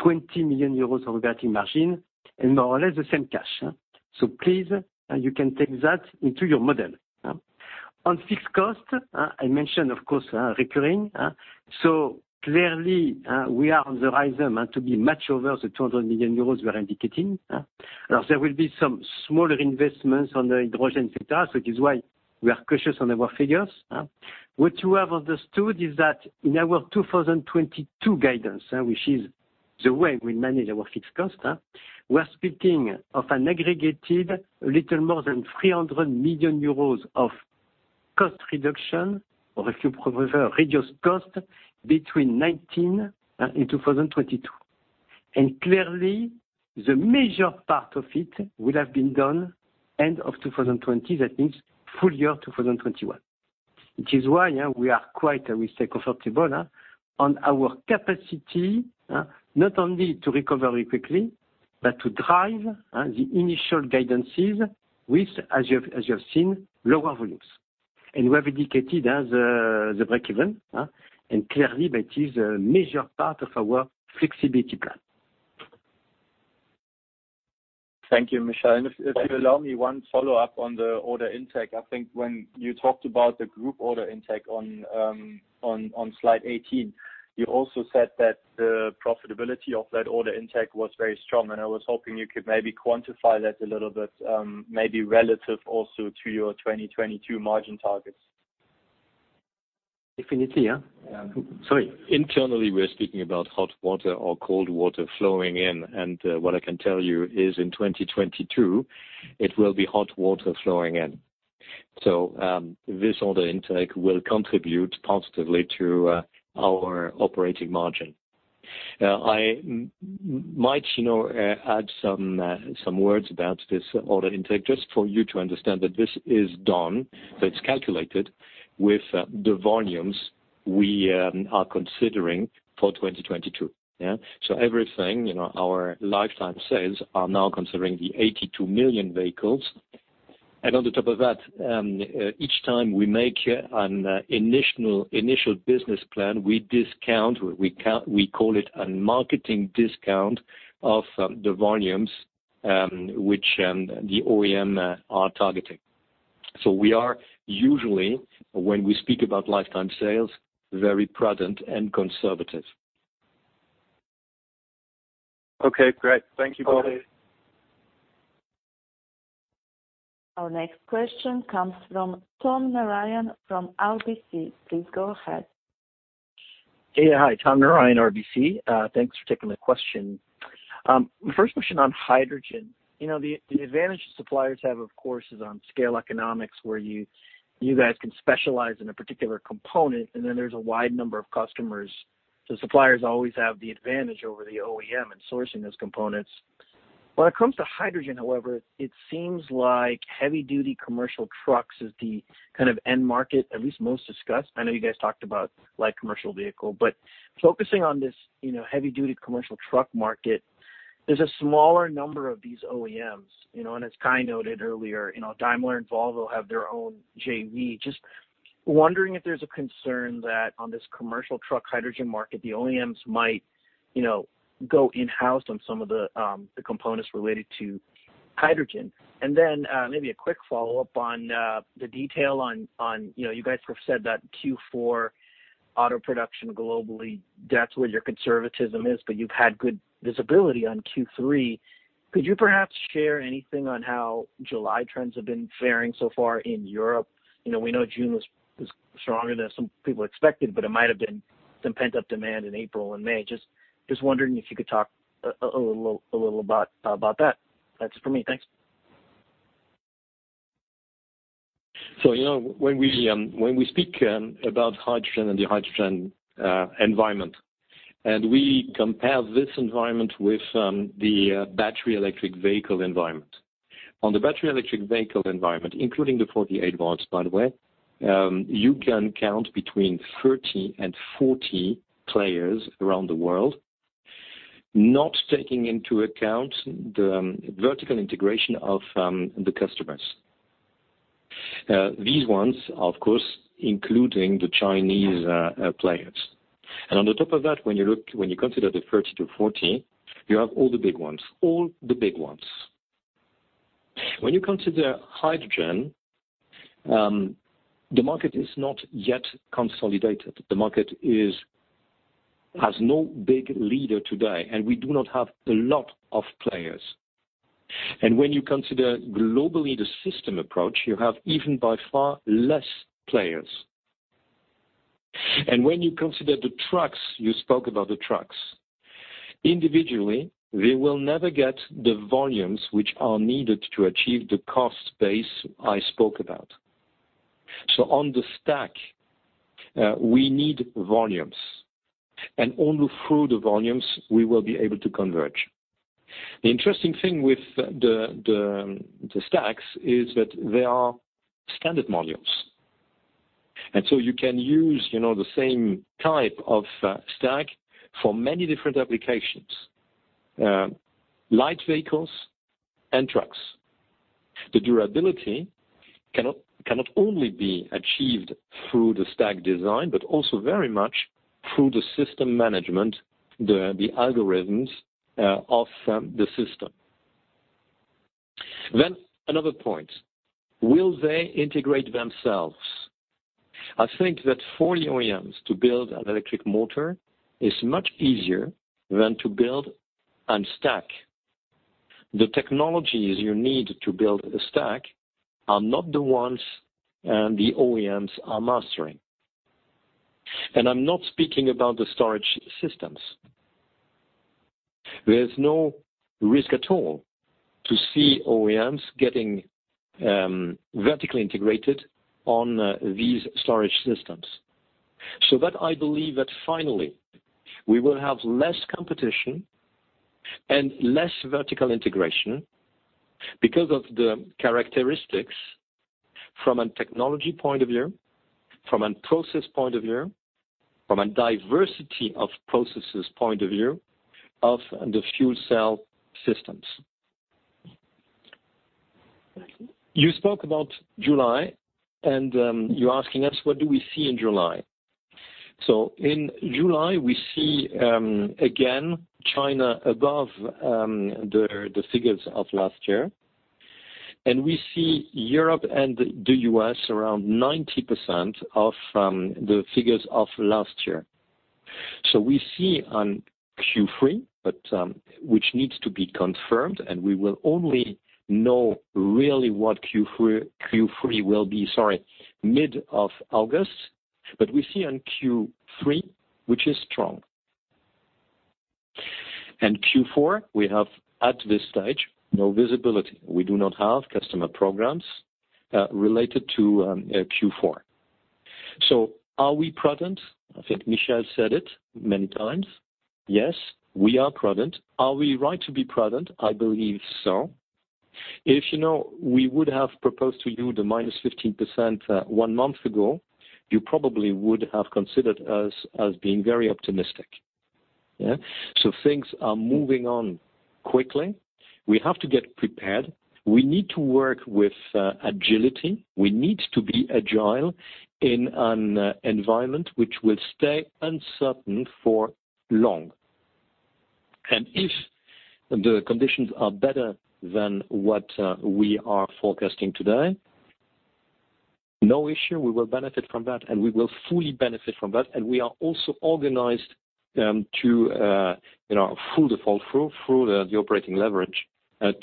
20 million euros of EBITDA margin, and more or less the same cash. Please, you can take that into your model. On fixed cost, I mentioned, of course, recurring. Clearly, we are on the rise to be much over the 200 million euros we are indicating. There will be some smaller investments on the hydrogen sector, it is why we are cautious on our figures. What you have understood is that in our 2022 guidance, which is the way we manage our fixed cost, we're speaking of an aggregated a little more than 300 million euros of cost reduction, or if you prefer, reduced cost, between 2019 and 2022. Clearly, the major part of it will have been done end of 2020, that means full year 2021. Which is why we are quite, I will say, comfortable on our capacity, not only to recover quickly, but to drive the initial guidances with, as you have seen, lower volumes. We have indicated the breakeven, and clearly that is a major part of our flexibility plan. Thank you, Michel. If you allow me one follow-up on the order intake, I think when you talked about the group order intake on Slide 18, you also said that the profitability of that order intake was very strong, and I was hoping you could maybe quantify that a little bit, maybe relative also to your 2022 margin targets. Definitely, yeah? Yeah. Sorry. Internally, we're speaking about hot water or cold water flowing in, and what I can tell you is in 2022, it will be hot water flowing in. This order intake will contribute positively to our operating margin. I might add some words about this order intake, just for you to understand that this is done, that it's calculated with the volumes we are considering for 2022. Everything, our lifetime sales are now considering the 82 million vehicles. On the top of that, each time we make an initial business plan, we discount, we call it a marketing discount of the volumes, which the OEM are targeting. We are usually, when we speak about lifetime sales, very present and conservative. Okay, great. Thank you both. Our next question comes from Tom Narayan from RBC. Please go ahead. Yeah, hi. Tom Narayan, RBC. Thanks for taking the question. First question on hydrogen. The advantage suppliers have, of course, is on scale economics where you guys can specialize in a particular component, and then there's a wide number of customers. Suppliers always have the advantage over the OEM in sourcing those components. When it comes to hydrogen, however, it seems like heavy-duty commercial trucks is the kind of end market, at least most discussed. I know you guys talked about light commercial vehicle, but focusing on this heavy-duty commercial truck market, there's a smaller number of these OEMs. As Kai noted earlier, Daimler and Volvo have their own JV. Just wondering if there's a concern that on this commercial truck hydrogen market, the OEMs might go in-house on some of the components related to hydrogen. Maybe a quick follow-up on the detail on, you guys have said that Q4 auto production globally, that's where your conservatism is, but you've had good visibility on Q3. Could you perhaps share anything on how July trends have been faring so far in Europe? We know June was stronger than some people expected, but there might have been some pent-up demand in April and May. Just wondering if you could talk a little about that. That's it for me. Thanks. When we speak about hydrogen and the hydrogen environment, we compare this environment with the battery electric vehicle environment. On the battery electric vehicle environment, including the 48 volts, by the way, you can count between 30 and 40 players around the world, not taking into account the vertical integration of the customers. These ones, of course, including the Chinese players. On the top of that, when you consider the 30 to 40, you have all the big ones. When you consider hydrogen, the market is not yet consolidated. The market has no big leader today, and we do not have a lot of players. When you consider globally the system approach, you have even by far less players. When you consider the trucks, you spoke about the trucks, individually, they will never get the volumes which are needed to achieve the cost base I spoke about. On the stack, we need volumes. Only through the volumes, we will be able to converge. The interesting thing with the stacks is that they are standard modules. You can use the same type of stack for many different applications, light vehicles and trucks. The durability cannot only be achieved through the stack design, but also very much through the system management, the algorithms of the system. Another point, will they integrate themselves? I think that for OEMs to build an electric motor is much easier than to build and stack. The technologies you need to build a stack are not the ones the OEMs are mastering. I'm not speaking about the storage systems. There's no risk at all to see OEMs getting vertically integrated on these storage systems. I believe that finally we will have less competition and less vertical integration because of the characteristics from a technology point of view, from a process point of view, from a diversity of processes point of view of the fuel cell systems. You spoke about July, and you're asking us what do we see in July? In July, we see, again, China above the figures of last year. We see Europe and the U.S. around 90% of the figures of last year. We see on Q3, but which needs to be confirmed, and we will only know really what Q3 will be, sorry, mid of August. We see on Q3, which is strong. Q4, we have, at this stage, no visibility. We do not have customer programs related to Q4. Are we prudent? I think Michel said it many times. Yes, we are prudent. Are we right to be prudent? I believe so. If we would have proposed to you the minus 15% one month ago, you probably would have considered us as being very optimistic. Yeah. Things are moving on quickly. We have to get prepared. We need to work with agility. We need to be agile in an environment which will stay uncertain for long. If the conditions are better than what we are forecasting today, no issue, we will benefit from that, and we will fully benefit from that. We are also organized through the operating leverage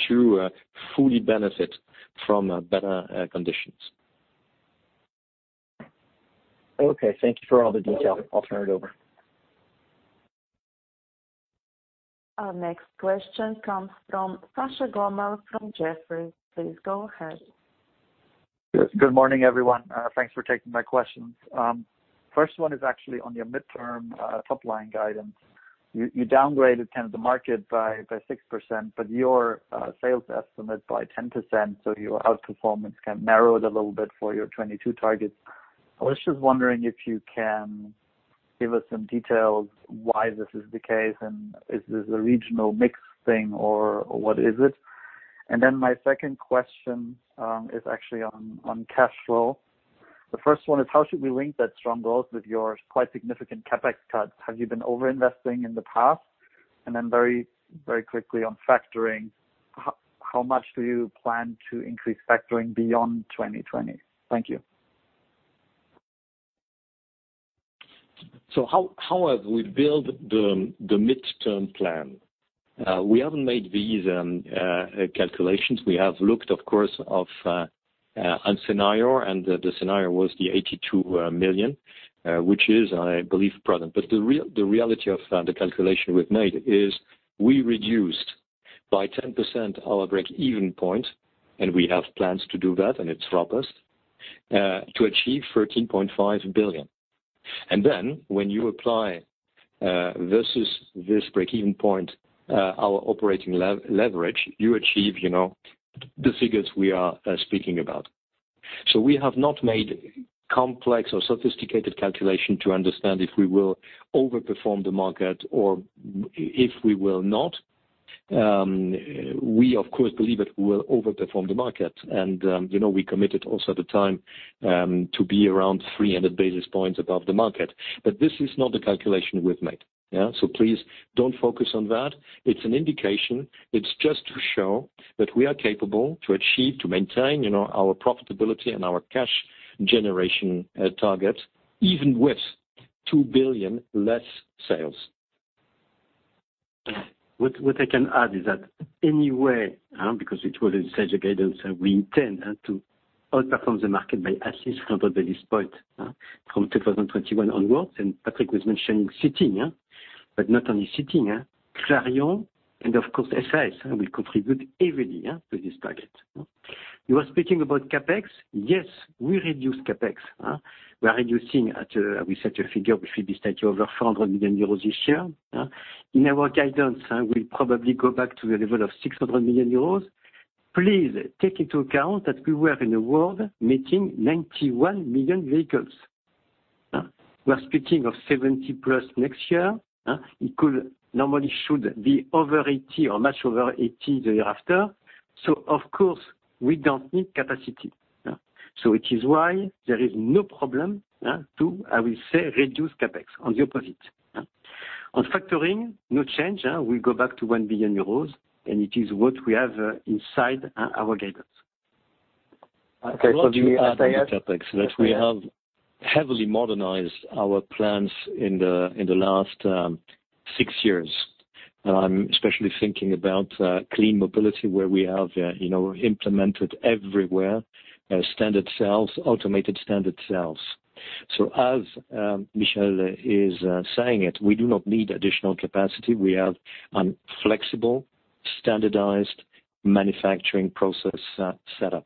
to fully benefit from better conditions. Okay. Thank you for all the detail. I'll turn it over. Our next question comes from Sasha Gommel from Jefferies. Please go ahead. Good morning, everyone. Thanks for taking my questions. First one is actually on your midterm top line guidance. You downgraded kind of the market by 6%, but your sales estimate by 10%, so your outperformance kind of narrowed a little bit for your 2022 targets. I was just wondering if you can give us some details why this is the case, and is this a regional mix thing, or what is it? My second question is actually on cash flow. The first one is, how should we link that strong growth with your quite significant CapEx cuts? Have you been over-investing in the past? Very quickly on factoring, how much do you plan to increase factoring beyond 2020? Thank you. How have we built the midterm plan? We haven't made these calculations. We have looked, of course, on scenario. The scenario was the 82 million, which is, I believe, prudent. The reality of the calculation we've made is we reduced by 10% our break-even point, and we have plans to do that, and it's robust, to achieve 13.5 billion. Then when you apply versus this break-even point, our operating leverage, you achieve the figures we are speaking about. We have not made complex or sophisticated calculation to understand if we will overperform the market or if we will not. We, of course, believe that we'll overperform the market. We committed also the time to be around 300 basis points above the market. This is not the calculation we've made. Yeah. Please don't focus on that. It's an indication. It's just to show that we are capable to achieve, to maintain our profitability and our cash generation targets even with 2 billion less sales. What I can add is that anyway, because it was inside the guidance, we intend to outperform the market by at least 100 basis points from 2021 onwards. Patrick was mentioning Seating, but not only Seating. Clarion and of course SAS will contribute every year to this target. You were speaking about CapEx. Yes, we reduce CapEx. We set a figure which will be slightly over 400 million euros this year. In our guidance, we probably go back to the level of 600 million euros. Please take into account that we were in a world making 91 million vehicles. We are speaking of 70+ next year. It could normally should be over 80 or much over 80 the year after. Of course, we don't need capacity. Which is why there is no problem to, I will say, reduce CapEx, on the opposite. On factoring, no change. We go back to 1 billion euros. It is what we have inside our guidance. Okay. What we add in the CapEx that we have heavily modernized our plans in the last six years. I'm especially thinking about Clean Mobility, where we have implemented everywhere standard cells, automated standard cells. As Michel is saying it, we do not need additional capacity. We have a flexible, standardized manufacturing process set up.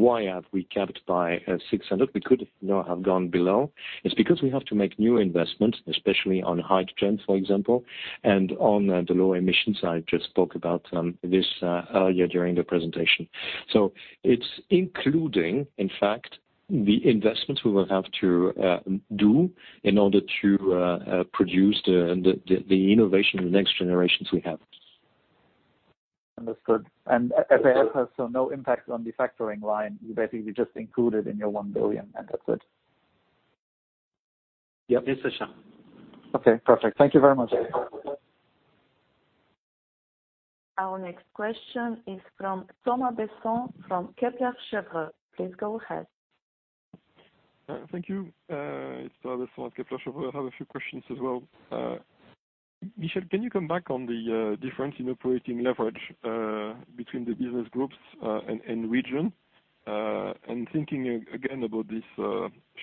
Why have we kept by 600? We could have gone below. It's because we have to make new investments, especially on hydrogen, for example, and on the low emissions I just spoke about this earlier during the presentation. It's including, in fact, the investments we will have to do in order to produce the innovation, the next generations we have. Understood. SAS has no impact on the factoring line. Basically, we just include it in your 1 billion, and that's it. Yeah. Yes, Sasha. Okay, perfect. Thank you very much. Our next question is from Thomas Besson from Kepler Cheuvreux. Please go ahead. Thank you. It's Thomas Besson, Kepler Cheuvreux. I have a few questions as well. Michel, can you come back on the difference in operating leverage between the business groups, and region? Thinking, again, about this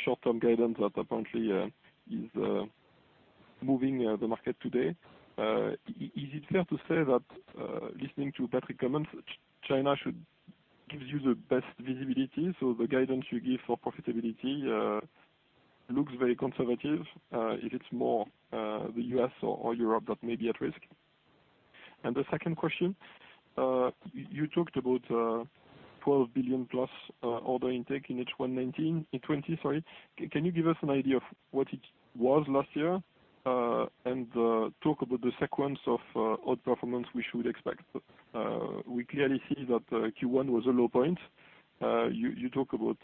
short-term guidance that apparently is moving the market today, is it fair to say that, listening to Patrick comments, China gives you the best visibility, so the guidance you give for profitability looks very conservative, if it's more the U.S. or Europe that may be at risk? The second question, you talked about 12 billion-plus order intake in H1 2019, in 2020, sorry. Can you give us an idea of what it was last year, and talk about the sequence of outperformance we should expect? We clearly see that Q1 was a low point. You talk about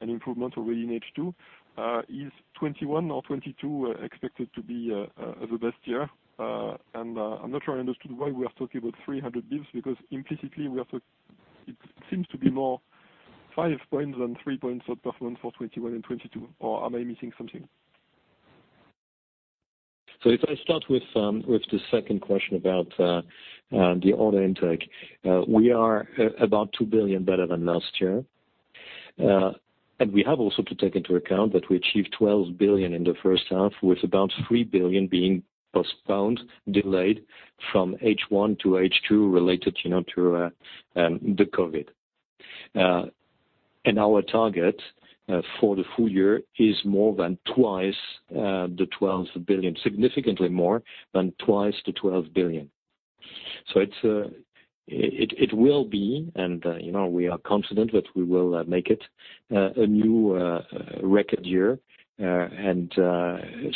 an improvement already in H2. Is 2021 or 2022 expected to be the best year? I'm not sure I understood why we are talking about 300 basis points, because implicitly, it seems to be more five points than three points outperformance for 2021 and 2022, or am I missing something? If I start with the second question about the order intake. We are about 2 billion better than last year. We have also to take into account that we achieved 12 billion in the first half, with about 3 billion being postponed, delayed from H1 to H2 related to the COVID. Our target for the full year is more than twice the 12 billion, significantly more than twice the 12 billion. It will be, and we are confident that we will make it, a new record year, and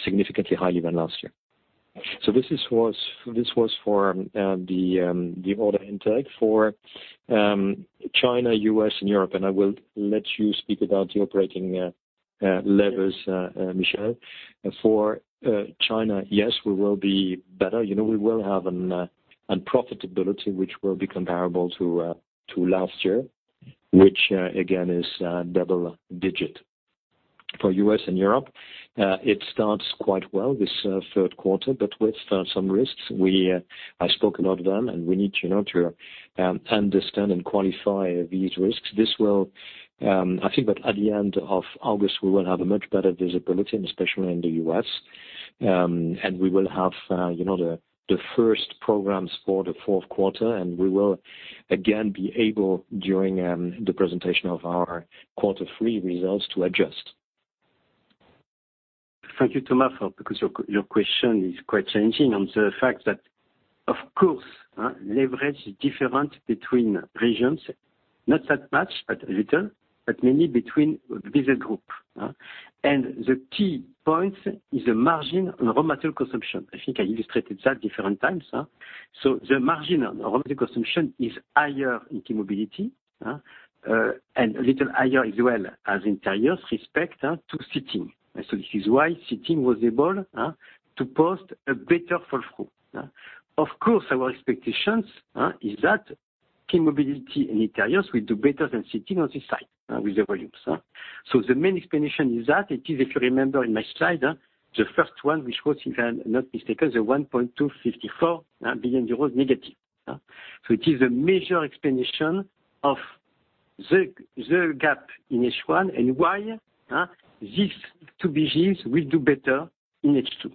significantly higher than last year. This was for the order intake for China, U.S., and Europe, and I will let you speak about the operating levers, Michel. China, yes, we will be better. We will have a profitability which will be comparable to last year, which, again, is double-digit. For U.S. and Europe, it starts quite well, this third quarter, but with some risks. I spoke about them. We need to understand and qualify these risks. I think that at the end of August, we will have a much better visibility, and especially in the U.S. We will have the first programs for the fourth quarter, and we will again be able, during the presentation of our quarter three results, to adjust. Thank you, Thomas, because your question is quite changing on the fact that, of course, leverage is different between regions, not that much, but a little, but mainly between Business Group. The key point is the margin on raw material consumption. I think I illustrated that different times. The margin on raw material consumption is higher in Mobility, and a little higher as well as Interiors respect to Seating. This is why Seating was able to post a better flow-through. Of course, our expectations is that Clean Mobility in Interiors will do better than Seating on this side with the volumes. The main explanation is that it is, if you remember in my slide, the first one, which was, if I'm not mistaken, the 1.254 billion euros negative. It is a major explanation of the gap in H1 and why these two BGs will do better in H2.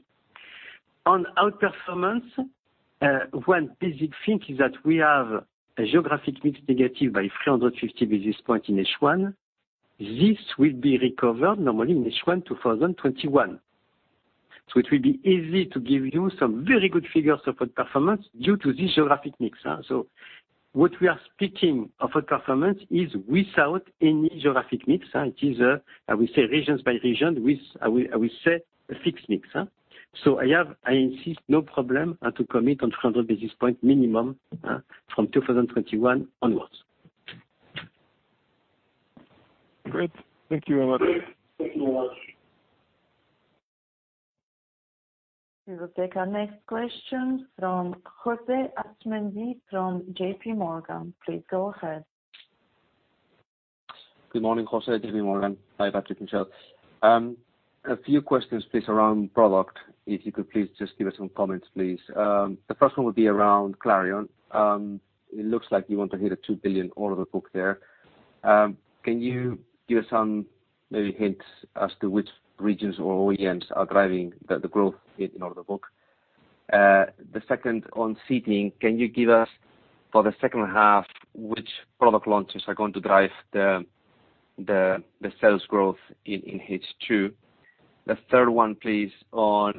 On outperformance, one basic thing is that we have a geographic mix negative by 350 basis point in H1. This will be recovered normally in H1 2021. It will be easy to give you some very good figures of outperformance due to this geographic mix. What we are speaking of outperformance is without any geographic mix. It is, I will say region by region with, I will say, a fixed mix. I have, I insist, no problem to commit on 300 basis point minimum from 2021 onwards. Great. Thank you very much. We will take our next question from José Asumendi from JPMorgan. Please go ahead. Good morning, José, JPMorgan. Hi, Patrick, Michel. A few questions, please, around product, if you could please just give us some comments, please. The first one would be around Clarion. It looks like you want to hit a 2 billion order book there. Can you give some maybe hints as to which regions or OEMs are driving the growth hit in order book? The second on Seating, can you give us, for the second half, which product launches are going to drive the sales growth in H2? The third one, please, on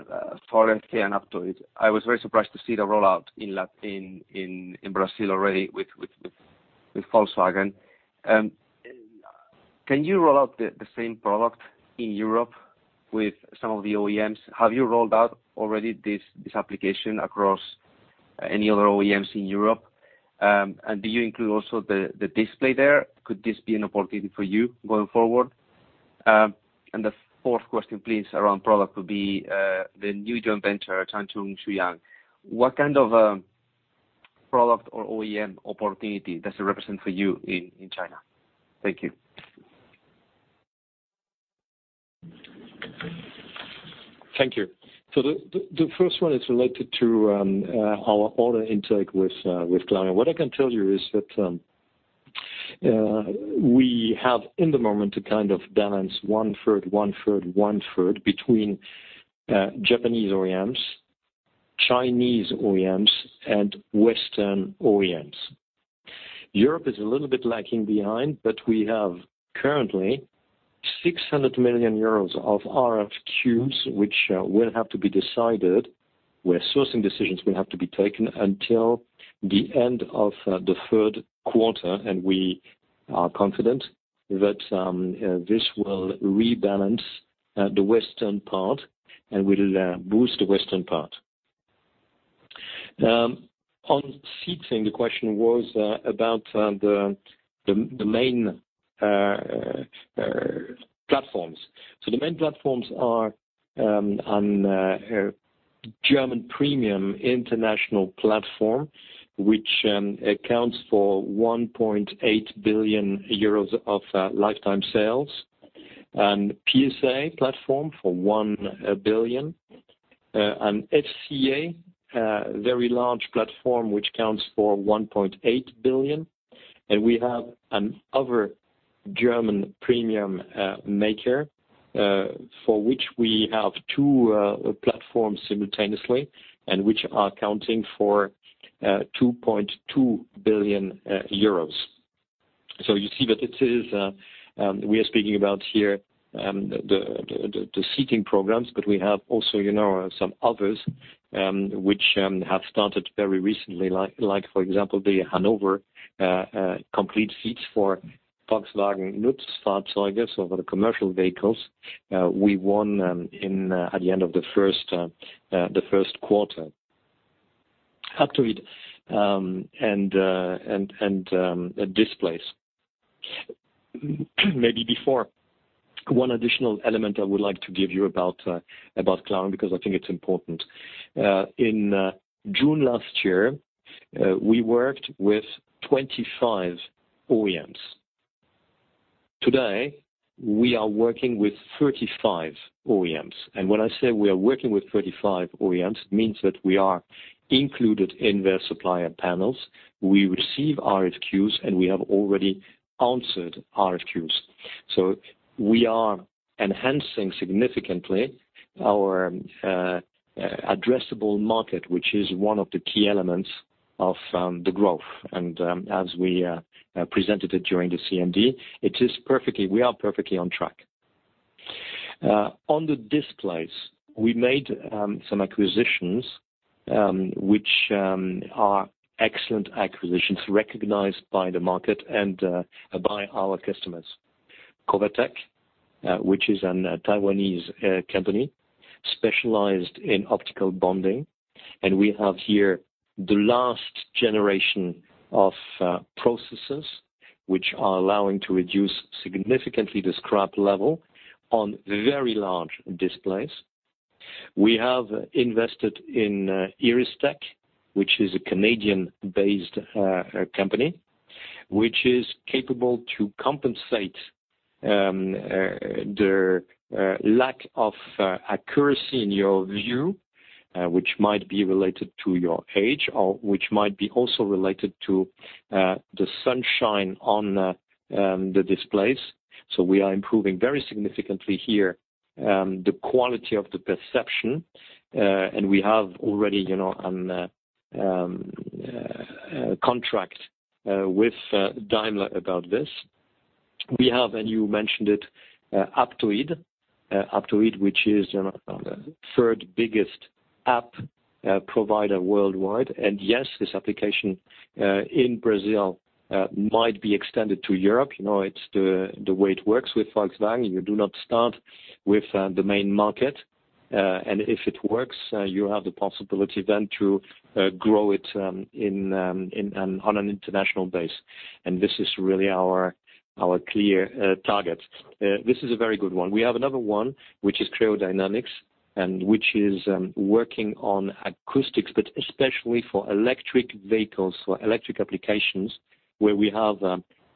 Faurecia and Aptoide. I was very surprised to see the rollout in Brazil already with Volkswagen. Can you roll out the same product in Europe with some of the OEMs? Have you rolled out already this application across any other OEMs in Europe? Do you include also the display there? Could this be an opportunity for you going forward? The fourth question, please, around product would be the new joint venture, Changchun Xuyang. What kind of a product or OEM opportunity does it represent for you in China? Thank you. Thank you. The first one is related to our order intake with Clarion. What I can tell you is that we have, in the moment, a kind of balance, one-third, one-third, one-third between Japanese OEMs, Chinese OEMs, and Western OEMs. Europe is a little bit lacking behind, we have currently 600 million euros of RFQs, which will have to be decided, where sourcing decisions will have to be taken until the end of the third quarter. We are confident that this will rebalance the Western part and will boost the Western part. On Seating, the question was about the main platforms. The main platforms are on a German premium international platform, which accounts for 1.8 billion euros of lifetime sales, and PSA platform for 1 billion, and FCA, a very large platform, which accounts for 1.8 billion. We have another German premium maker, for which we have two platforms simultaneously and which are accounting for 2.2 billion euros. You see that we are speaking about here the seating programs, but we have also some others, which have started very recently, like for example, the Hanover complete seats for Volkswagen Nutzfahrzeuge, so for the commercial vehicles, we won at the end of the first quarter. Aptoide and displays. Maybe before, one additional element I would like to give you about Clarion, because I think it's important. In June last year, we worked with 25 OEMs. Today, we are working with 35 OEMs. When I say we are working with 35 OEMs, it means that we are included in their supplier panels. We receive RFQs, and we have already answered RFQs. We are enhancing significantly our addressable market, which is one of the key elements of the growth. As we presented it during the CMD, we are perfectly on track. On the displays, we made some acquisitions, which are excellent acquisitions recognized by the market and by our customers. CovaTech, which is a Taiwanese company specialized in optical bonding. We have here the last generation of processes, which are allowing to reduce significantly the scrap level on very large displays. We have invested in IRYStec, which is a Canadian-based company, which is capable to compensate the lack of accuracy in your view, which might be related to your age, or which might be also related to the sunshine on the displays. We are improving very significantly here, the quality of the perception, and we have already, a contract with Daimler about this. We have, and you mentioned it, Aptoide. Aptoide, which is the third biggest app provider worldwide. Yes, this application in Brazil might be extended to Europe. It's the way it works with Volkswagen. You do not start with the main market. If it works, you have the possibility then to grow it on an international basis. This is really our clear target. This is a very good one. We have another one, which is Creo Dynamics, and which is working on acoustics, but especially for electric vehicles, for electric applications, where we have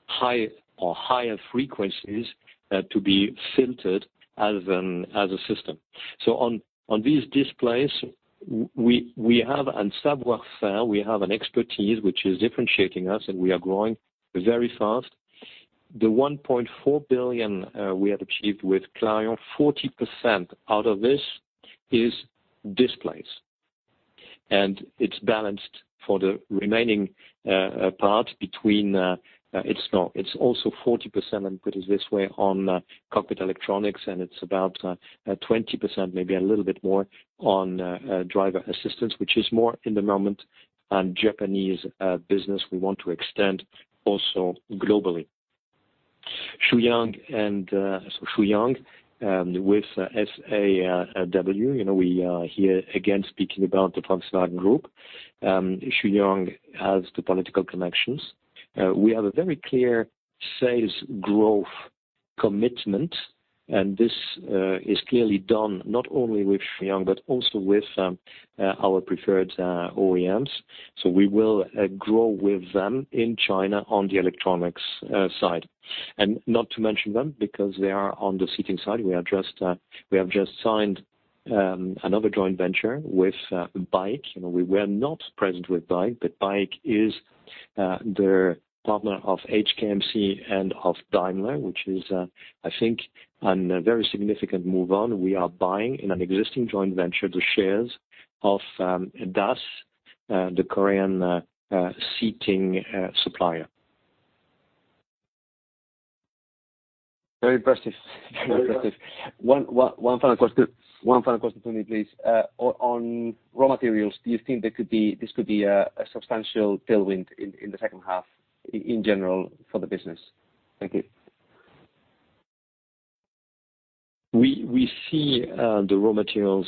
high or higher frequencies to be filtered as a system. On these displays, and software, we have an expertise which is differentiating us, and we are growing very fast. The 1.4 billion we have achieved with Clarion, 40% out of this is displays. It's also 40%, let me put it this way, on cockpit electronics, and it's about 20%, maybe a little bit more on driver assistance, which is more, in the moment, Japanese business we want to extend also globally. Xuyang with SAW. We here again speaking about the Volkswagen Group. Xuyang has the political connections. We have a very clear sales growth commitment. This is clearly done not only with Xuyang, but also with our preferred OEMs. We will grow with them in China on the electronics side. Not to mention them because they are on the Seating side. We have just signed another joint venture with BAIC. We were not present with BAIC, but BAIC is the partner of HKMC and of Daimler, which is, I think, a very significant move on. We are buying, in an existing joint venture, the shares of DAS, the Korean seating supplier. Very impressive. One final question for me, please. On raw materials, do you think this could be a substantial tailwind in the second half in general for the business? Thank you. We see the raw materials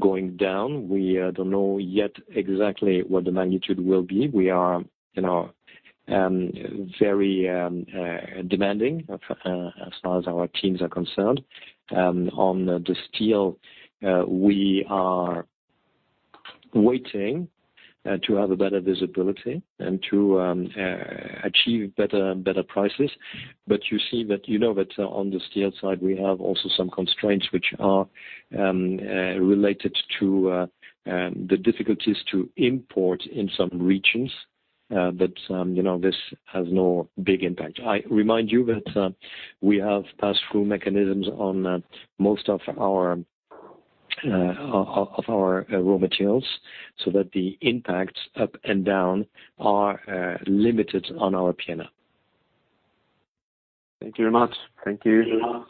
going down. We don't know yet exactly what the magnitude will be. We are very demanding as far as our teams are concerned. On the steel, we are waiting to have a better visibility and to achieve better prices. You see that on the steel side, we have also some constraints which are related to the difficulties to import in some regions. This has no big impact. I remind you that we have pass-through mechanisms on most of our raw materials, so that the impacts up and down are limited on our P&L. Thank you very much. Thank you.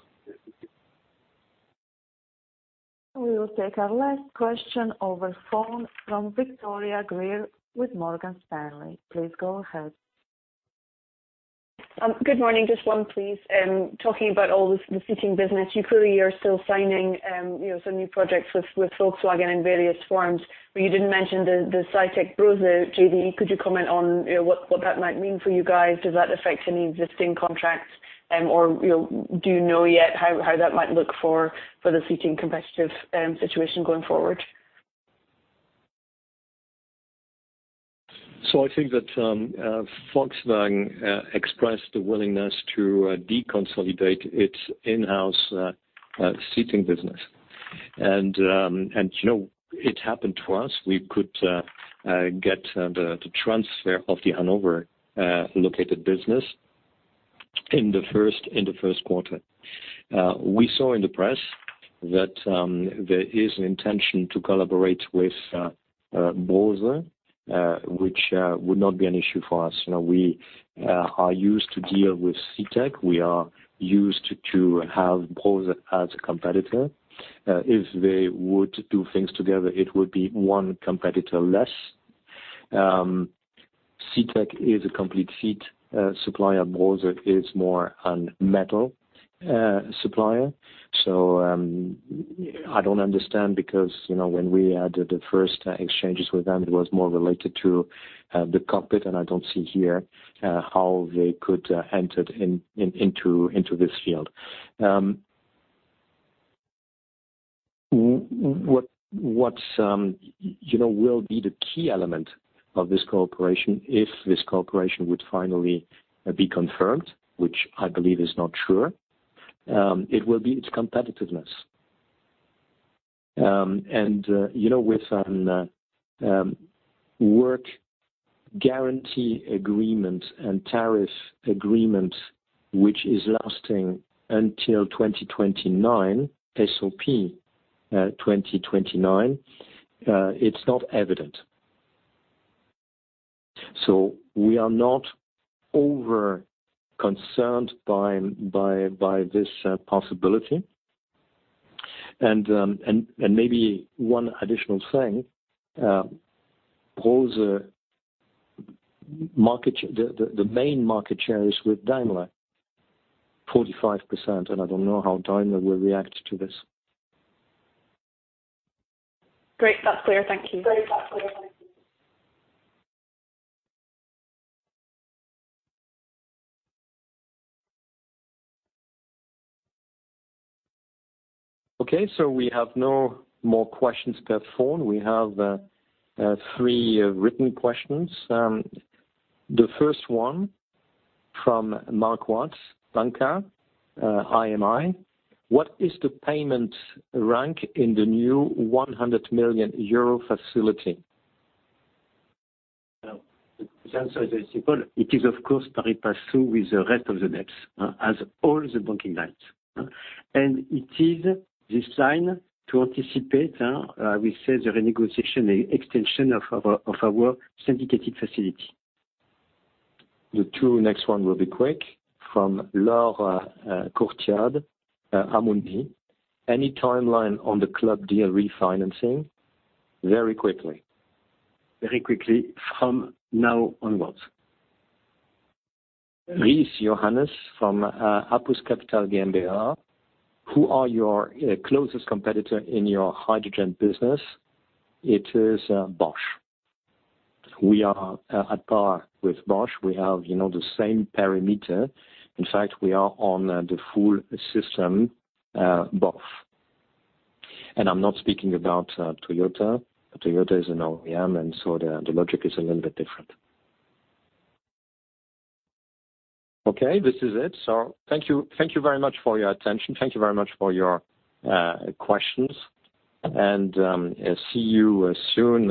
We will take our last question over the phone from Victoria Greer with Morgan Stanley. Please go ahead. Good morning. Just one, please. Talking about all the seating business, you clearly are still signing some new projects with Volkswagen in various forms, you didn't mention the SITECH-Brose JV. Could you comment on what that might mean for you guys? Does that affect any existing contracts, or do you know yet how that might look for the seating competitive situation going forward? I think that Volkswagen expressed the willingness to deconsolidate its in-house Seating business. It happened to us. We could get the transfer of the Hanover-located business in the first quarter. We saw in the press that there is an intention to collaborate with Brose, which would not be an issue for us. We are used to deal with SITECH. We are used to have Brose as a competitor. If they would do things together, it would be one competitor less. SITECH is a complete seat supplier. Brose is more a metal supplier. I don't understand because when we had the first exchanges with them, it was more related to the cockpit, and I don't see here how they could enter into this field. What will be the key element of this cooperation, if this cooperation would finally be confirmed, which I believe is not sure, it will be its competitiveness. With work guarantee agreement and tariff agreement, which is lasting until 2029, SOP 2029, it's not evident. We are not over concerned by this possibility. Maybe one additional thing, the main market share is with Daimler, 45%, and I don't know how Daimler will react to this. Great. That's clear. Thank you. Okay. We have no more questions per phone. We have three written questions. The first one from Marquardt Bunker, IMI. "What is the payment rank in the new 100 million euro facility? The answer is simple. It is of course pari passu with the rest of the debts, as all the banking lines. It is designed to anticipate, we say, the renegotiation extension of our syndicated facility. The two next one will be quick. From Laure Courtiade, Amundi. "Any timeline on the club deal refinancing?" Very quickly. Very quickly. From now onwards. Johannes Ries from APUS Capital GmbH. Who are your closest competitor in your hydrogen business? It is Bosch. We are at par with Bosch. We have the same parameter. In fact, we are on the full system both. I'm not speaking about Toyota. Toyota is an OEM, and so the logic is a little bit different. Okay, this is it. Thank you very much for your attention. Thank you very much for your questions, and see you soon.